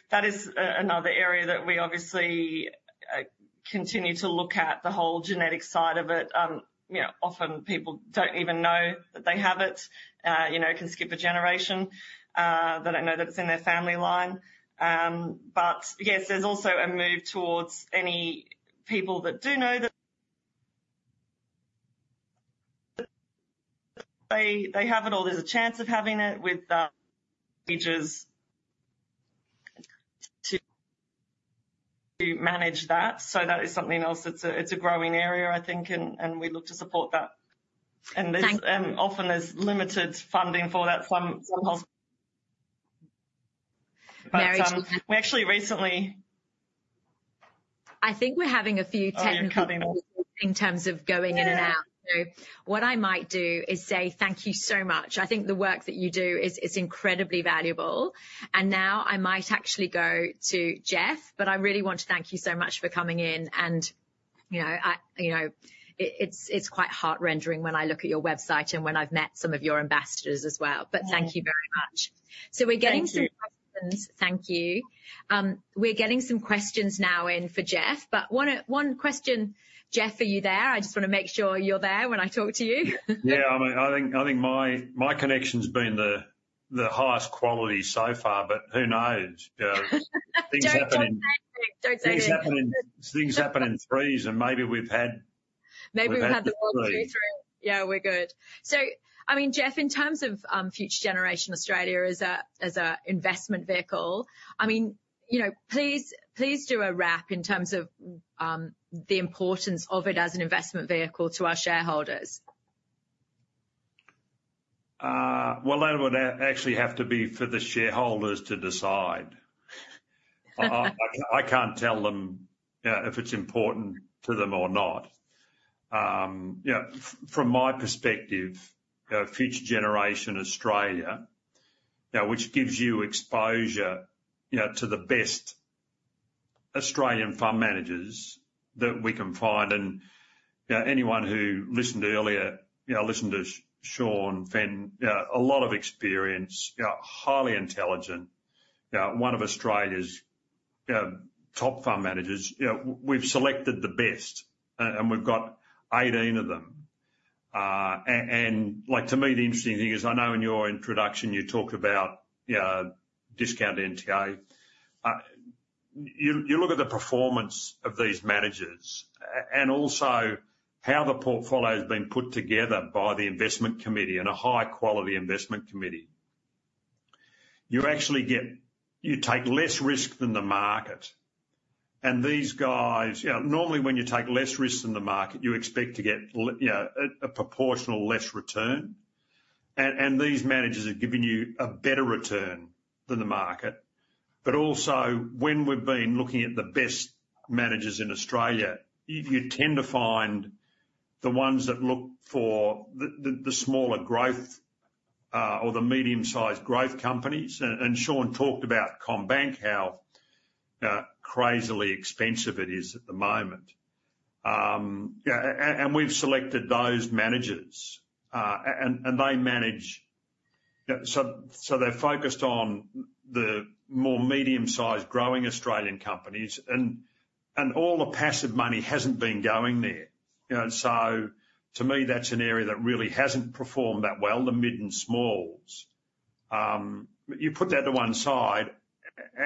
that is another area that we obviously continue to look at, the whole genetic side of it. You know, often people don't even know that they have it. You know, it can skip a generation, they don't know that it's in their family line. But yes, there's also a move towards any people that do know that they have it or there's a chance of having it with features to manage that. So that is something else that's, it's a growing area, I think, and we look to support that. And there's often limited funding for that from hospital. We actually recently- I think we're having a few technical- Oh, you're cutting off. In terms of going in and out. Yeah. What I might do is say thank you so much. I think the work that you do is incredibly valuable. And now I might actually go to Geoff, but I really want to thank you so much for coming in, and, you know, you know, it's quite heart-rending when I look at your website and when I've met some of your ambassadors as well. Yeah. But thank you very much. Thank you. We're getting some questions. Thank you. We're getting some questions now in for Geoff, but one question, Geoff, are you there? I just wanna make sure you're there when I talk to you. Yeah. I mean, I think my connection's been the highest quality so far, but who knows? You know, things happen in- Don't say anything. Things happen in, things happen in threes, and maybe we've had- Maybe we've had the whole three through. Yeah, we're good. So, I mean, Geoff, in terms of Future Generation Australia as an investment vehicle, I mean, you know, please, please do a wrap in terms of the importance of it as an investment vehicle to our shareholders. Well, that would actually have to be for the shareholders to decide. I can't tell them if it's important to them or not. You know, from my perspective, Future Generation Australia, which gives you exposure, you know, to the best Australian fund managers that we can find, and, you know, anyone who listened earlier, you know, listened to Sean Fenton, you know, a lot of experience, you know, highly intelligent, you know, one of Australia's, you know, top fund managers. You know, we've selected the best, and we've got 18 of them. Like, to me, the interesting thing is, I know in your introduction, you talk about, you know, discount NTA. You look at the performance of these managers and also how the portfolio's been put together by the investment committee, and a high quality investment committee. You actually get. You take less risk than the market, and these guys. You know, normally, when you take less risk than the market, you expect to get you know, a proportional less return, and these managers are giving you a better return than the market. But also, when we've been looking at the best managers in Australia, you tend to find the ones that look for the smaller growth or the medium-sized growth companies. And Sean talked about CommBank, how crazily expensive it is at the moment. And we've selected those managers, and they manage. They're focused on the more medium-sized growing Australian companies, and all the passive money hasn't been going there. You know, so to me, that's an area that really hasn't performed that well, the mid and smalls. You put that to one side,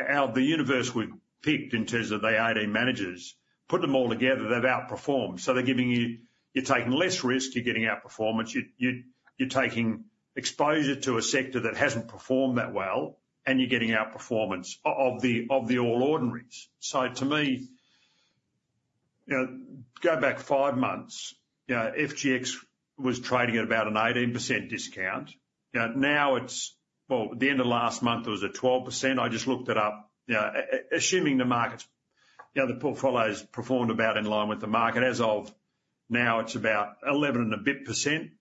out of the universe we've picked in terms of the 18 managers, put them all together, they've outperformed, so they're giving you-- You're taking less risk, you're getting outperformance. You're taking exposure to a sector that hasn't performed that well, and you're getting outperformance of the All Ordinaries. So to me, you know, go back five months, you know, FGX was trading at about an 18% discount. You know, now at the end of last month, it was at 12%. I just looked it up. You know, assuming the market, you know, the portfolio's performed about in line with the market. As of now, it's about 11 and a bit%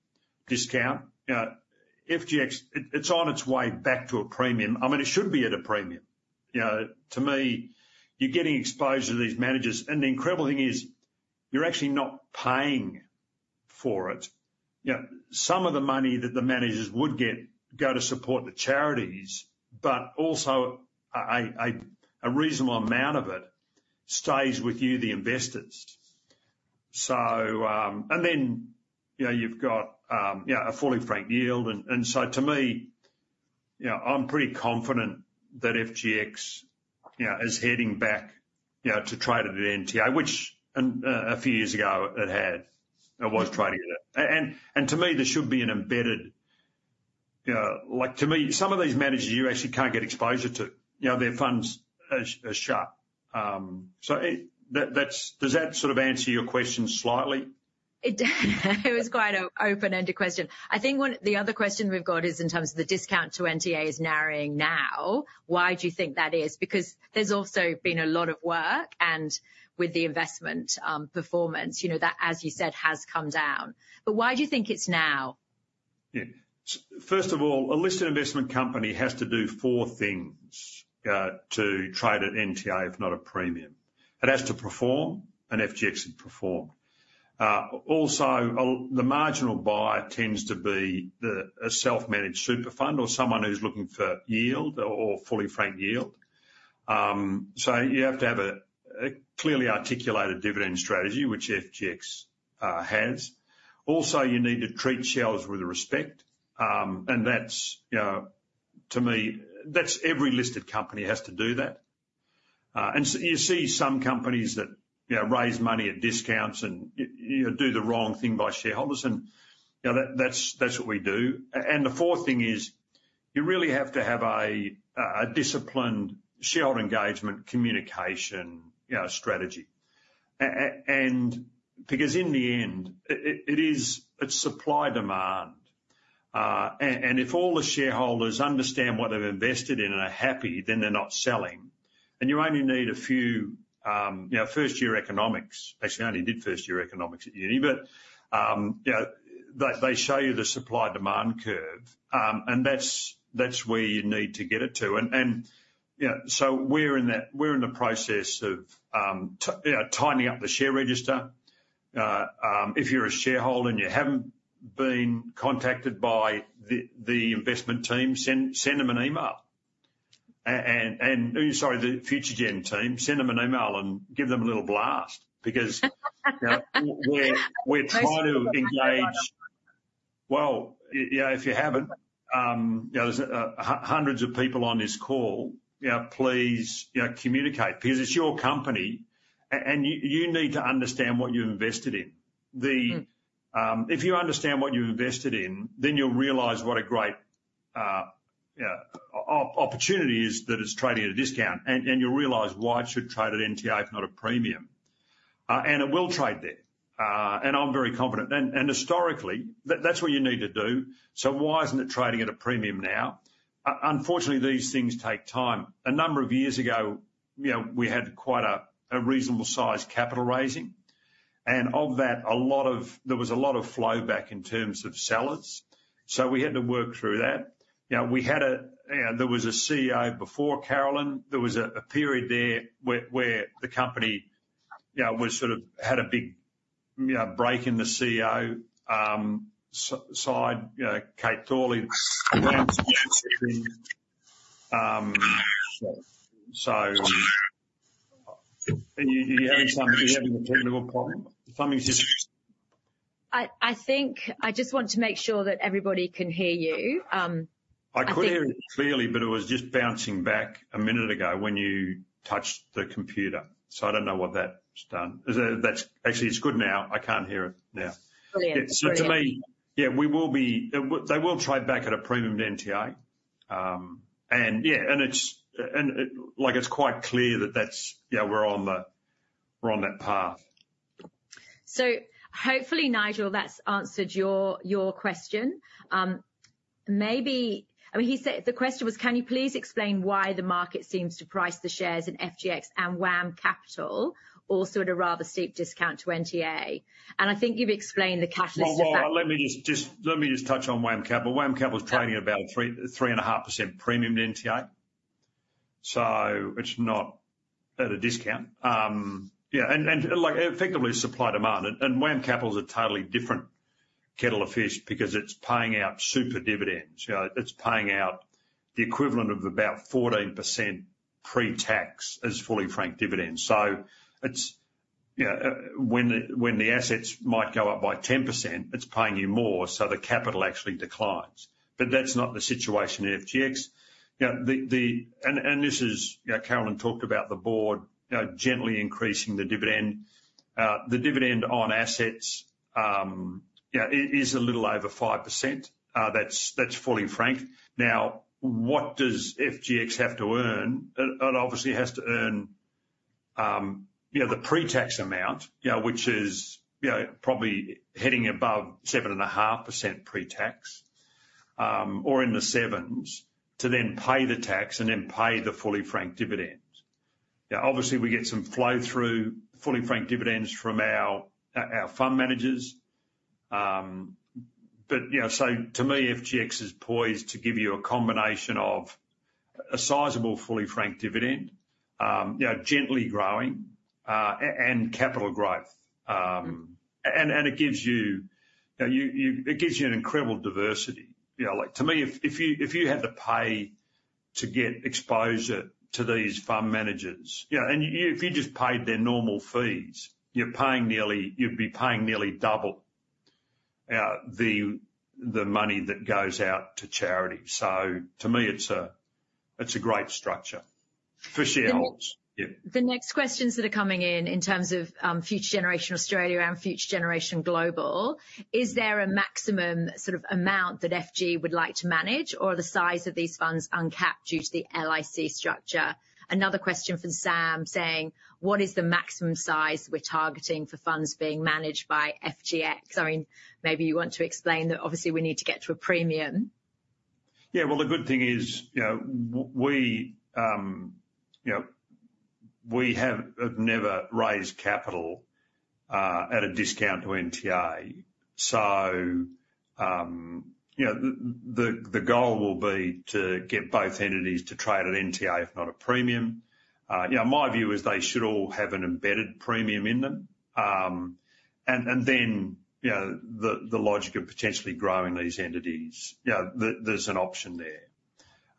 discount. You know, FGX, it's on its way back to a premium. I mean, it should be at a premium. You know, to me, you're getting exposure to these managers, and the incredible thing is you're actually not paying for it. You know, some of the money that the managers would get, go to support the charities, but also a reasonable amount of it stays with you, the investors. So... And then, you know, you've got, you know, a fully franked yield, and, and so to me, you know, I'm pretty confident that FGX, you know, is heading back, you know, to trade at an NTA, which, a few years ago it had, it was trading at. And, and to me, there should be an embedded, you know. Like, to me, some of these managers, you actually can't get exposure to, you know, their funds are, are shut. So it, that, that's. Does that sort of answer your question slightly? It was quite an open-ended question. I think one... the other question we've got is in terms of the discount to NTA is narrowing now. Why do you think that is? Because there's also been a lot of work, and with the investment, performance, you know, that, as you said, has come down. But why do you think it's now? Yeah. First of all, a listed investment company has to do four things to trade at NTA, if not a premium. It has to perform, and FGX has performed. Also, the marginal buyer tends to be a self-managed super fund or someone who's looking for yield or fully franked yield. So you have to have a clearly articulated dividend strategy, which FGX has. Also, you need to treat shareholders with respect, and that's, you know, to me, that's every listed company has to do that. And you see some companies that, you know, raise money at discounts and, you know, do the wrong thing by shareholders, and, you know, that's what we do. And the fourth thing is, you really have to have a disciplined shareholder engagement communication, you know, strategy. And because in the end, it is, it's supply, demand, and if all the shareholders understand what they've invested in and are happy, then they're not selling, and you only need a few, you know, first year economics. Actually, I only did first year economics at uni, but, you know, they show you the supply, demand curve, and that's where you need to get it to. And you know, so we're in the process of tidying up the share register. If you're a shareholder and you haven't been contacted by the investment team, send them an email. And sorry, the Future Gen team, send them an email and give them a little blast. Because, you know, we're trying to engage. You know, if you haven't, you know, there's hundreds of people on this call, you know, please, you know, communicate, because it's your company, and you need to understand what you invested in. The- Mm-hmm. If you understand what you've invested in, then you'll realize what a great opportunity is that it's trading at a discount, and you'll realize why it should trade at NTA, if not a premium. And it will trade there, and I'm very confident. And historically, that's what you need to do. So why isn't it trading at a premium now? Unfortunately, these things take time. A number of years ago, you know, we had quite a reasonable-sized capital raising, and of that, a lot of... There was a lot of flow back in terms of sellers, so we had to work through that. You know, you know, there was a CEO before Caroline. There was a period there where the company, you know, was sort of had a big, you know, break in the CEO side, you know, Kate Thorley. So are you having a technical problem? Something's just- I think I just want to make sure that everybody can hear you. I could hear it clearly, but it was just bouncing back a minute ago when you touched the computer, so I don't know what that's done. That's actually good now. I can't hear it now. Brilliant. Brilliant. To me, yeah, we will be. They will trade back at a premium to NTA. And yeah, it's like it's quite clear that that's, you know, we're on the, we're on that path. Hopefully, Nigel, that's answered your question. I mean, he said, the question was, "Can you please explain why the market seems to price the shares in FGX and WAM Capital all sort of at a rather steep discount to NTA?" And I think you've explained the catalyst to that. Let me just touch on WAM Capital. WAM Capital is trading at about three, 3.5% premium to NTA, so it's not at a discount. And, like, effectively supply and demand, and WAM Capital's a totally different kettle of fish because it's paying out super dividends. You know, it's paying out the equivalent of about 14% pre-tax as fully franked dividends. So it's, you know, when the assets might go up by 10%, it's paying you more, so the capital actually declines. But that's not the situation at FGX. You know, and this is, you know, Caroline talked about the board, you know, gently increasing the dividend. The dividend on assets, you know, is a little over 5%, that's fully franked. Now, what does FGX have to earn? It, it obviously has to earn, you know, the pre-tax amount, you know, which is, you know, probably heading above 7.5% pre-tax, or in the sevens, to then pay the tax and then pay the fully franked dividends. Yeah, obviously, we get some flow through fully franked dividends from our, our fund managers. But, you know, so to me, FGX is poised to give you a combination of a sizable, fully franked dividend, you know, gently growing, and capital growth. And, and it gives you, you know, you, you. It gives you an incredible diversity. You know, like, to me, if you had to pay to get exposure to these fund managers, you know, and if you just paid their normal fees, you'd be paying nearly double the money that goes out to charity. So to me, it's a great structure for shareholders. The- Yeah. The next questions that are coming in, in terms of, Future Generation Australia and Future Generation Global, "Is there a maximum sort of amount that FG would like to manage, or are the size of these funds uncapped due to the LIC structure?" Another question from Sam saying, "What is the maximum size we're targeting for funds being managed by FGX?" I mean, maybe you want to explain that obviously, we need to get to a premium. Yeah, well, the good thing is, you know, we have never raised capital at a discount to NTA. So, you know, the goal will be to get both entities to trade at NTA, if not a premium. You know, my view is they should all have an embedded premium in them. And then, you know, the logic of potentially growing these entities, you know, there's an option there.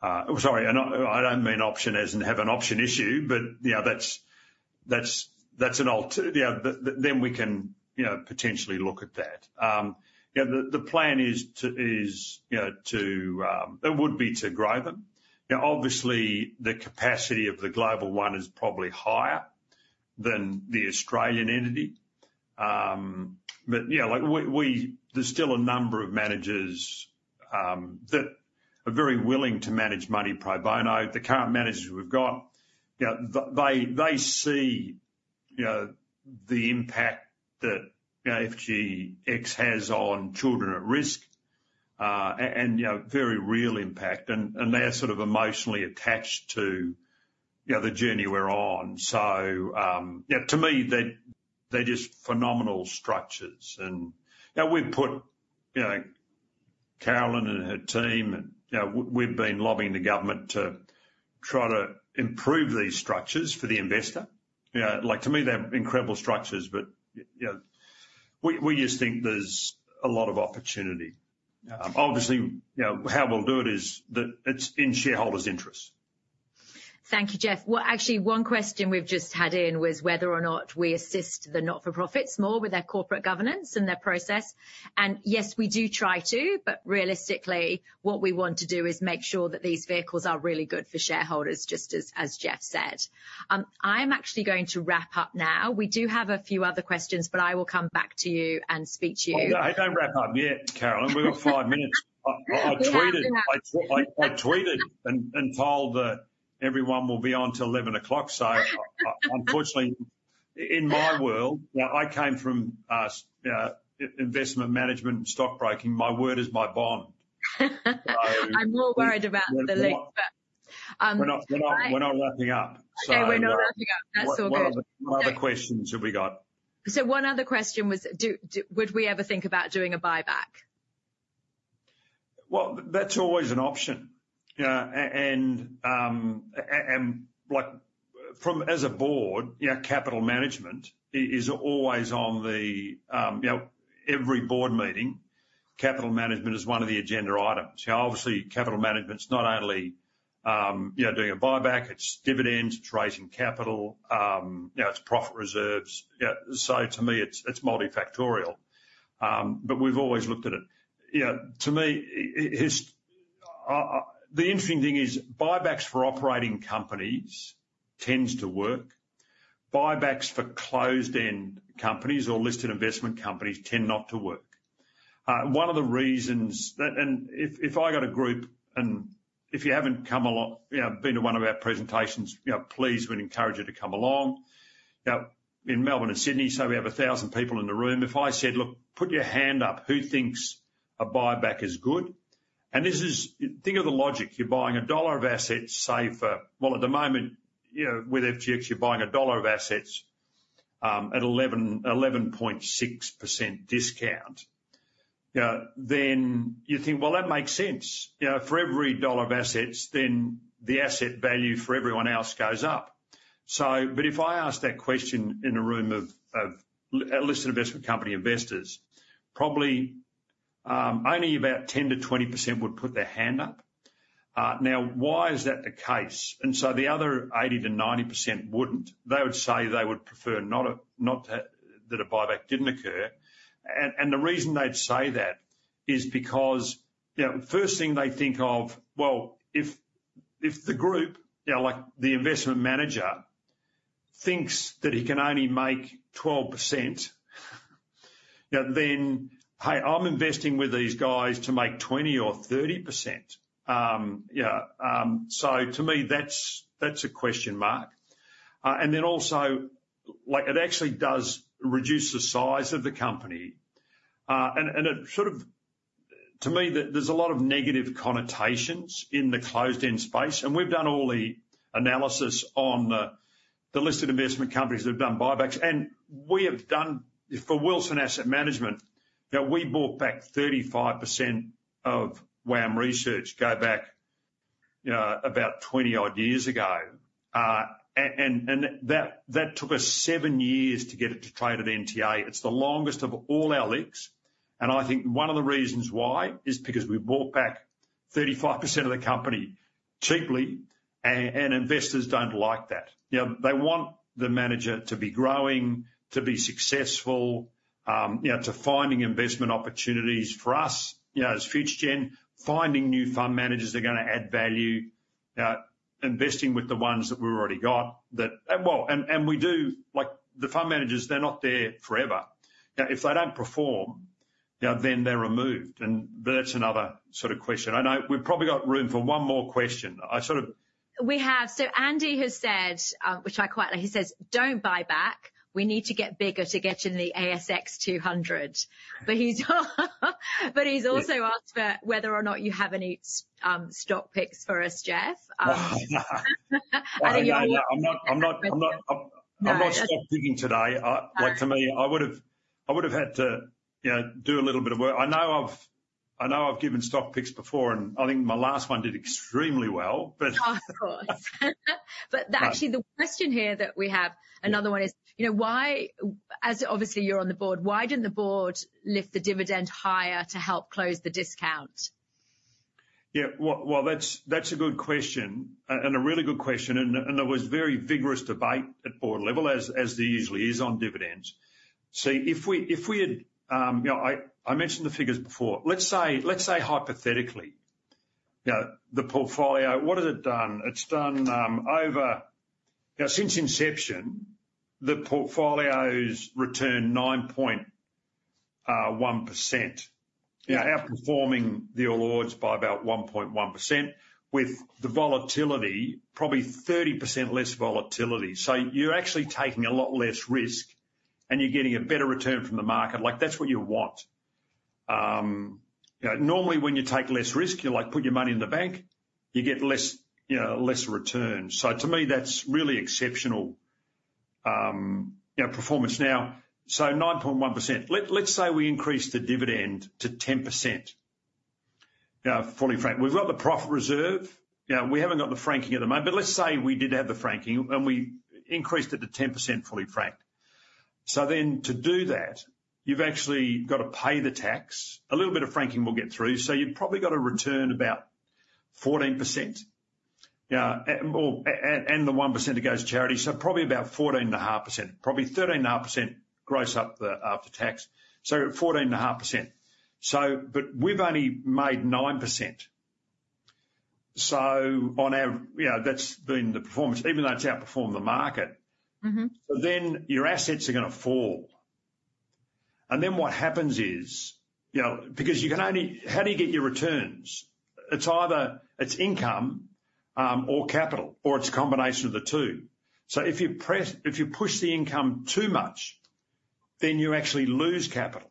Oh, sorry, I, I don't mean option as in have an option issue, but, you know, that's an alternative. You know, then we can, you know, potentially look at that. You know, the plan is to, you know, it would be to grow them. Now, obviously, the capacity of the global one is probably higher than the Australian entity. But you know, like, we, there's still a number of managers that are very willing to manage money pro bono. The current managers we've got, you know, they see, you know, the impact that, you know, FGX has on children at risk, and, you know, very real impact, and they're sort of emotionally attached to, you know, the journey we're on. So, you know, to me, they're just phenomenal structures, and, you know, we've put, you know, Caroline and her team and, you know, we've been lobbying the government to try to improve these structures for the investor. You know, like, to me, they're incredible structures, but you know, we just think there's a lot of opportunity. Obviously, you know, how we'll do it is that it's in shareholders' interests. Thank you, Geoff. Well, actually, one question we've just had in was whether or not we assist the not-for-profits more with their corporate governance and their process. And yes, we do try to, but realistically, what we want to do is make sure that these vehicles are really good for shareholders, just as, as Geoff said. I'm actually going to wrap up now. We do have a few other questions, but I will come back to you and speak to you. No, don't wrap up yet, Caroline. We've got five minutes. I tweeted and told everyone that we will be on till eleven o'clock. So unfortunately, in my world, now I came from investment management and stockbroking. My word is my bond. I'm more worried about the LIC, but, We're not wrapping up. Okay, we're not wrapping up. That's all good. What other questions have we got? So one other question was, would we ever think about doing a buyback? That's always an option. And as a board, you know, capital management is always on the, you know, every board meeting, capital management is one of the agenda items. You know, obviously, capital management's not only, you know, doing a buyback, it's dividends, it's raising capital, you know, it's profit reserves. You know, so to me, it's multifactorial. But we've always looked at it. You know, to me, it is the interesting thing is buybacks for operating companies tends to work. Buybacks for closed-end companies or listed investment companies tend not to work. One of the reasons that. And if you've got a group, and if you haven't come along, you know, been to one of our presentations, you know, please, we'd encourage you to come along. Now, in Melbourne and Sydney, so we have a thousand people in the room. If I said: Look, put your hand up, who thinks a buyback is good? And this is. Think of the logic. You're buying a dollar of assets, say, for. Well, at the moment, you know, with FGX, you're buying a dollar of assets at 11.6% discount. You know, then you think, "Well, that makes sense." You know, for every dollar of assets, then the asset value for everyone else goes up. So, but if I ask that question in a room of listed investment company investors, probably only about 10%-20% would put their hand up. Now, why is that the case? And so the other 80%-90% wouldn't. They would say they would prefer not to have that a buyback didn't occur. And the reason they'd say that is because, you know, first thing they think of, well, if the group, you know, like the investment manager, thinks that he can only make 12%, you know, then, hey, I'm investing with these guys to make 20% or 30%. So to me, that's a question mark. And then also, like, it actually does reduce the size of the company. And it sort of. To me, there's a lot of negative connotations in the closed-end space, and we've done all the analysis on the listed investment companies that have done buybacks. We have done, for Wilson Asset Management, you know, we bought back 35% of WAM Research, go back, you know, about twenty-odd years ago. And that took us seven years to get it to trade at NTA. It's the longest of all our LICs, and I think one of the reasons why is because we bought back 35% of the company cheaply, and investors don't like that. You know, they want the manager to be growing, to be successful, you know, to finding investment opportunities. For us, you know, as Future Gen, finding new fund managers that are gonna add value, investing with the ones that we've already got. Like, the fund managers, they're not there forever. You know, if they don't perform, you know, then they're removed, and that's another sort of question. I know we've probably got room for one more question. I sort of- We have. So Andy has said, which I quite like, he says, "Don't buy back. We need to get bigger to get in the ASX 200." But he's... But he's also asked for whether or not you have any stock picks for us, Geoff. No. I'm not stock picking today. Okay. Like, to me, I would've had to, you know, do a little bit of work. I know I've given stock picks before, and I think my last one did extremely well, but Of course. But actually, the question here that we have, another one is, you know, why, as obviously you're on the board, why didn't the board lift the dividend higher to help close the discount? Yeah. Well, that's a good question and a really good question, and there was very vigorous debate at board level, as there usually is on dividends. See, if we had, you know, I mentioned the figures before. Let's say hypothetically, you know, the portfolio, what has it done? It's done. Now, since inception, the portfolio's returned 9.1%. Yeah. Outperforming the All Ords by about 1.1%, with the volatility, probably 30% less volatility. So you're actually taking a lot less risk, and you're getting a better return from the market, like, that's what you want. You know, normally, when you take less risk, you, like, put your money in the bank, you get less, you know, less return. So to me, that's really exceptional, you know, performance now. So 9.1%. Let's say we increase the dividend to 10%, fully franked. We've got the profit reserve. You know, we haven't got the franking at the moment, but let's say we did have the franking, and we increased it to 10% fully franked. So then to do that, you've actually got to pay the tax. A little bit of franking will get through, so you've probably got a return about 14%. Yeah, and the one percent that goes to charity, so probably about 14.5%. Probably 13.5% gross up the, after tax, so 14.5%. So but we've only made 9%. So on our. You know, that's been the performance, even though it's outperformed the market. Mm-hmm. So then your assets are gonna fall. And then what happens is, you know, because you can only-- How do you get your returns? It's either it's income, or capital, or it's a combination of the two. So if you push the income too much, then you actually lose capital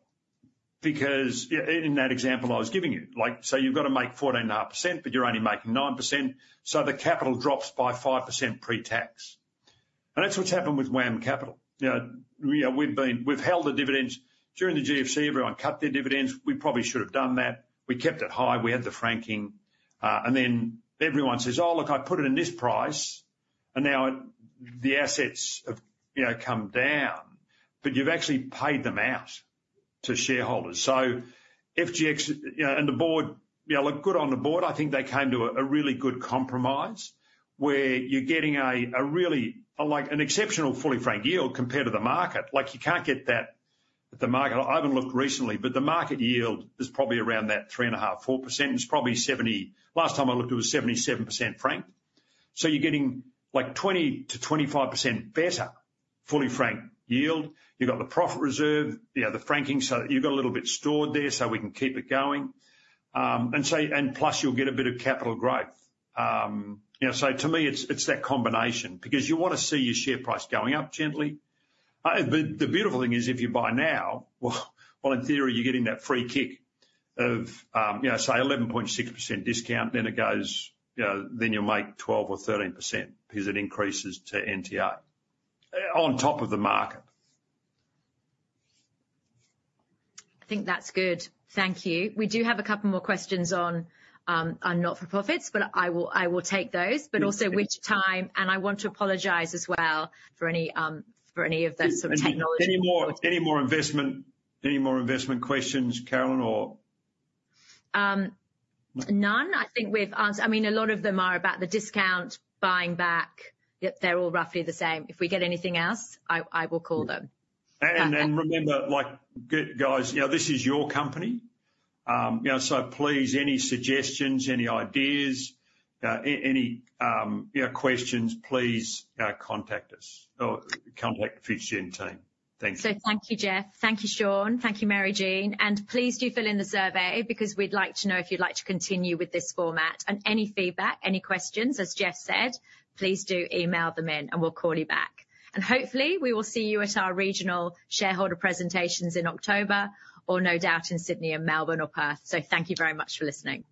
because, yeah, in that example I was giving you, like, say, you've got to make 14.5%, but you're only making 9%, so the capital drops by 5% pre-tax. And that's what's happened with WAM Capital. You know, we've held the dividends. During the GFC, everyone cut their dividends. We probably should have done that. We kept it high. We had the franking, and then everyone says, "Oh, look, I put it in this price, and now the assets have, you know, come down," but you've actually paid them out to shareholders. So FGX, you know, and the board, you know. Look, good on the board, I think they came to a really good compromise, where you're getting a really, like, an exceptional fully franked yield compared to the market. Like, you can't get that at the market. I haven't looked recently, but the market yield is probably around that 3.5%-4%. It's probably seventy. Last time I looked, it was 77% franked. So you're getting, like, 20%-25% better fully franked yield. You've got the profit reserve, you know, the franking, so you've got a little bit stored there, so we can keep it going. Plus, you'll get a bit of capital growth. You know, so to me, it's that combination, because you want to see your share price going up gently. The beautiful thing is, if you buy now, well, in theory, you're getting that free kick of, you know, say 11.6% discount, then it goes, you know, then you'll make 12 or 13% because it increases to NTA, on top of the market. I think that's good. Thank you. We do have a couple more questions on not-for-profits, but I will take those, but also which time, and I want to apologize as well for any of the sort of technology- Any more investment questions, Caroline, or? None. I think we've answered... I mean, a lot of them are about the discount, buying back. Yep, they're all roughly the same. If we get anything else, I will call them. Remember, like, guys, you know, this is your company. You know, so please, any suggestions, any ideas, any questions, please, contact us or contact the Future Generation team. Thank you. So thank you, Geoff. Thank you, Sean. Thank you, Mary Jane, and please do fill in the survey, because we'd like to know if you'd like to continue with this format. And any feedback, any questions, as Geoff said, please do e mail them in, and we'll call you back. And hopefully, we will see you at our regional shareholder presentations in October, or no doubt in Sydney or Melbourne or Perth. So thank you very much for listening.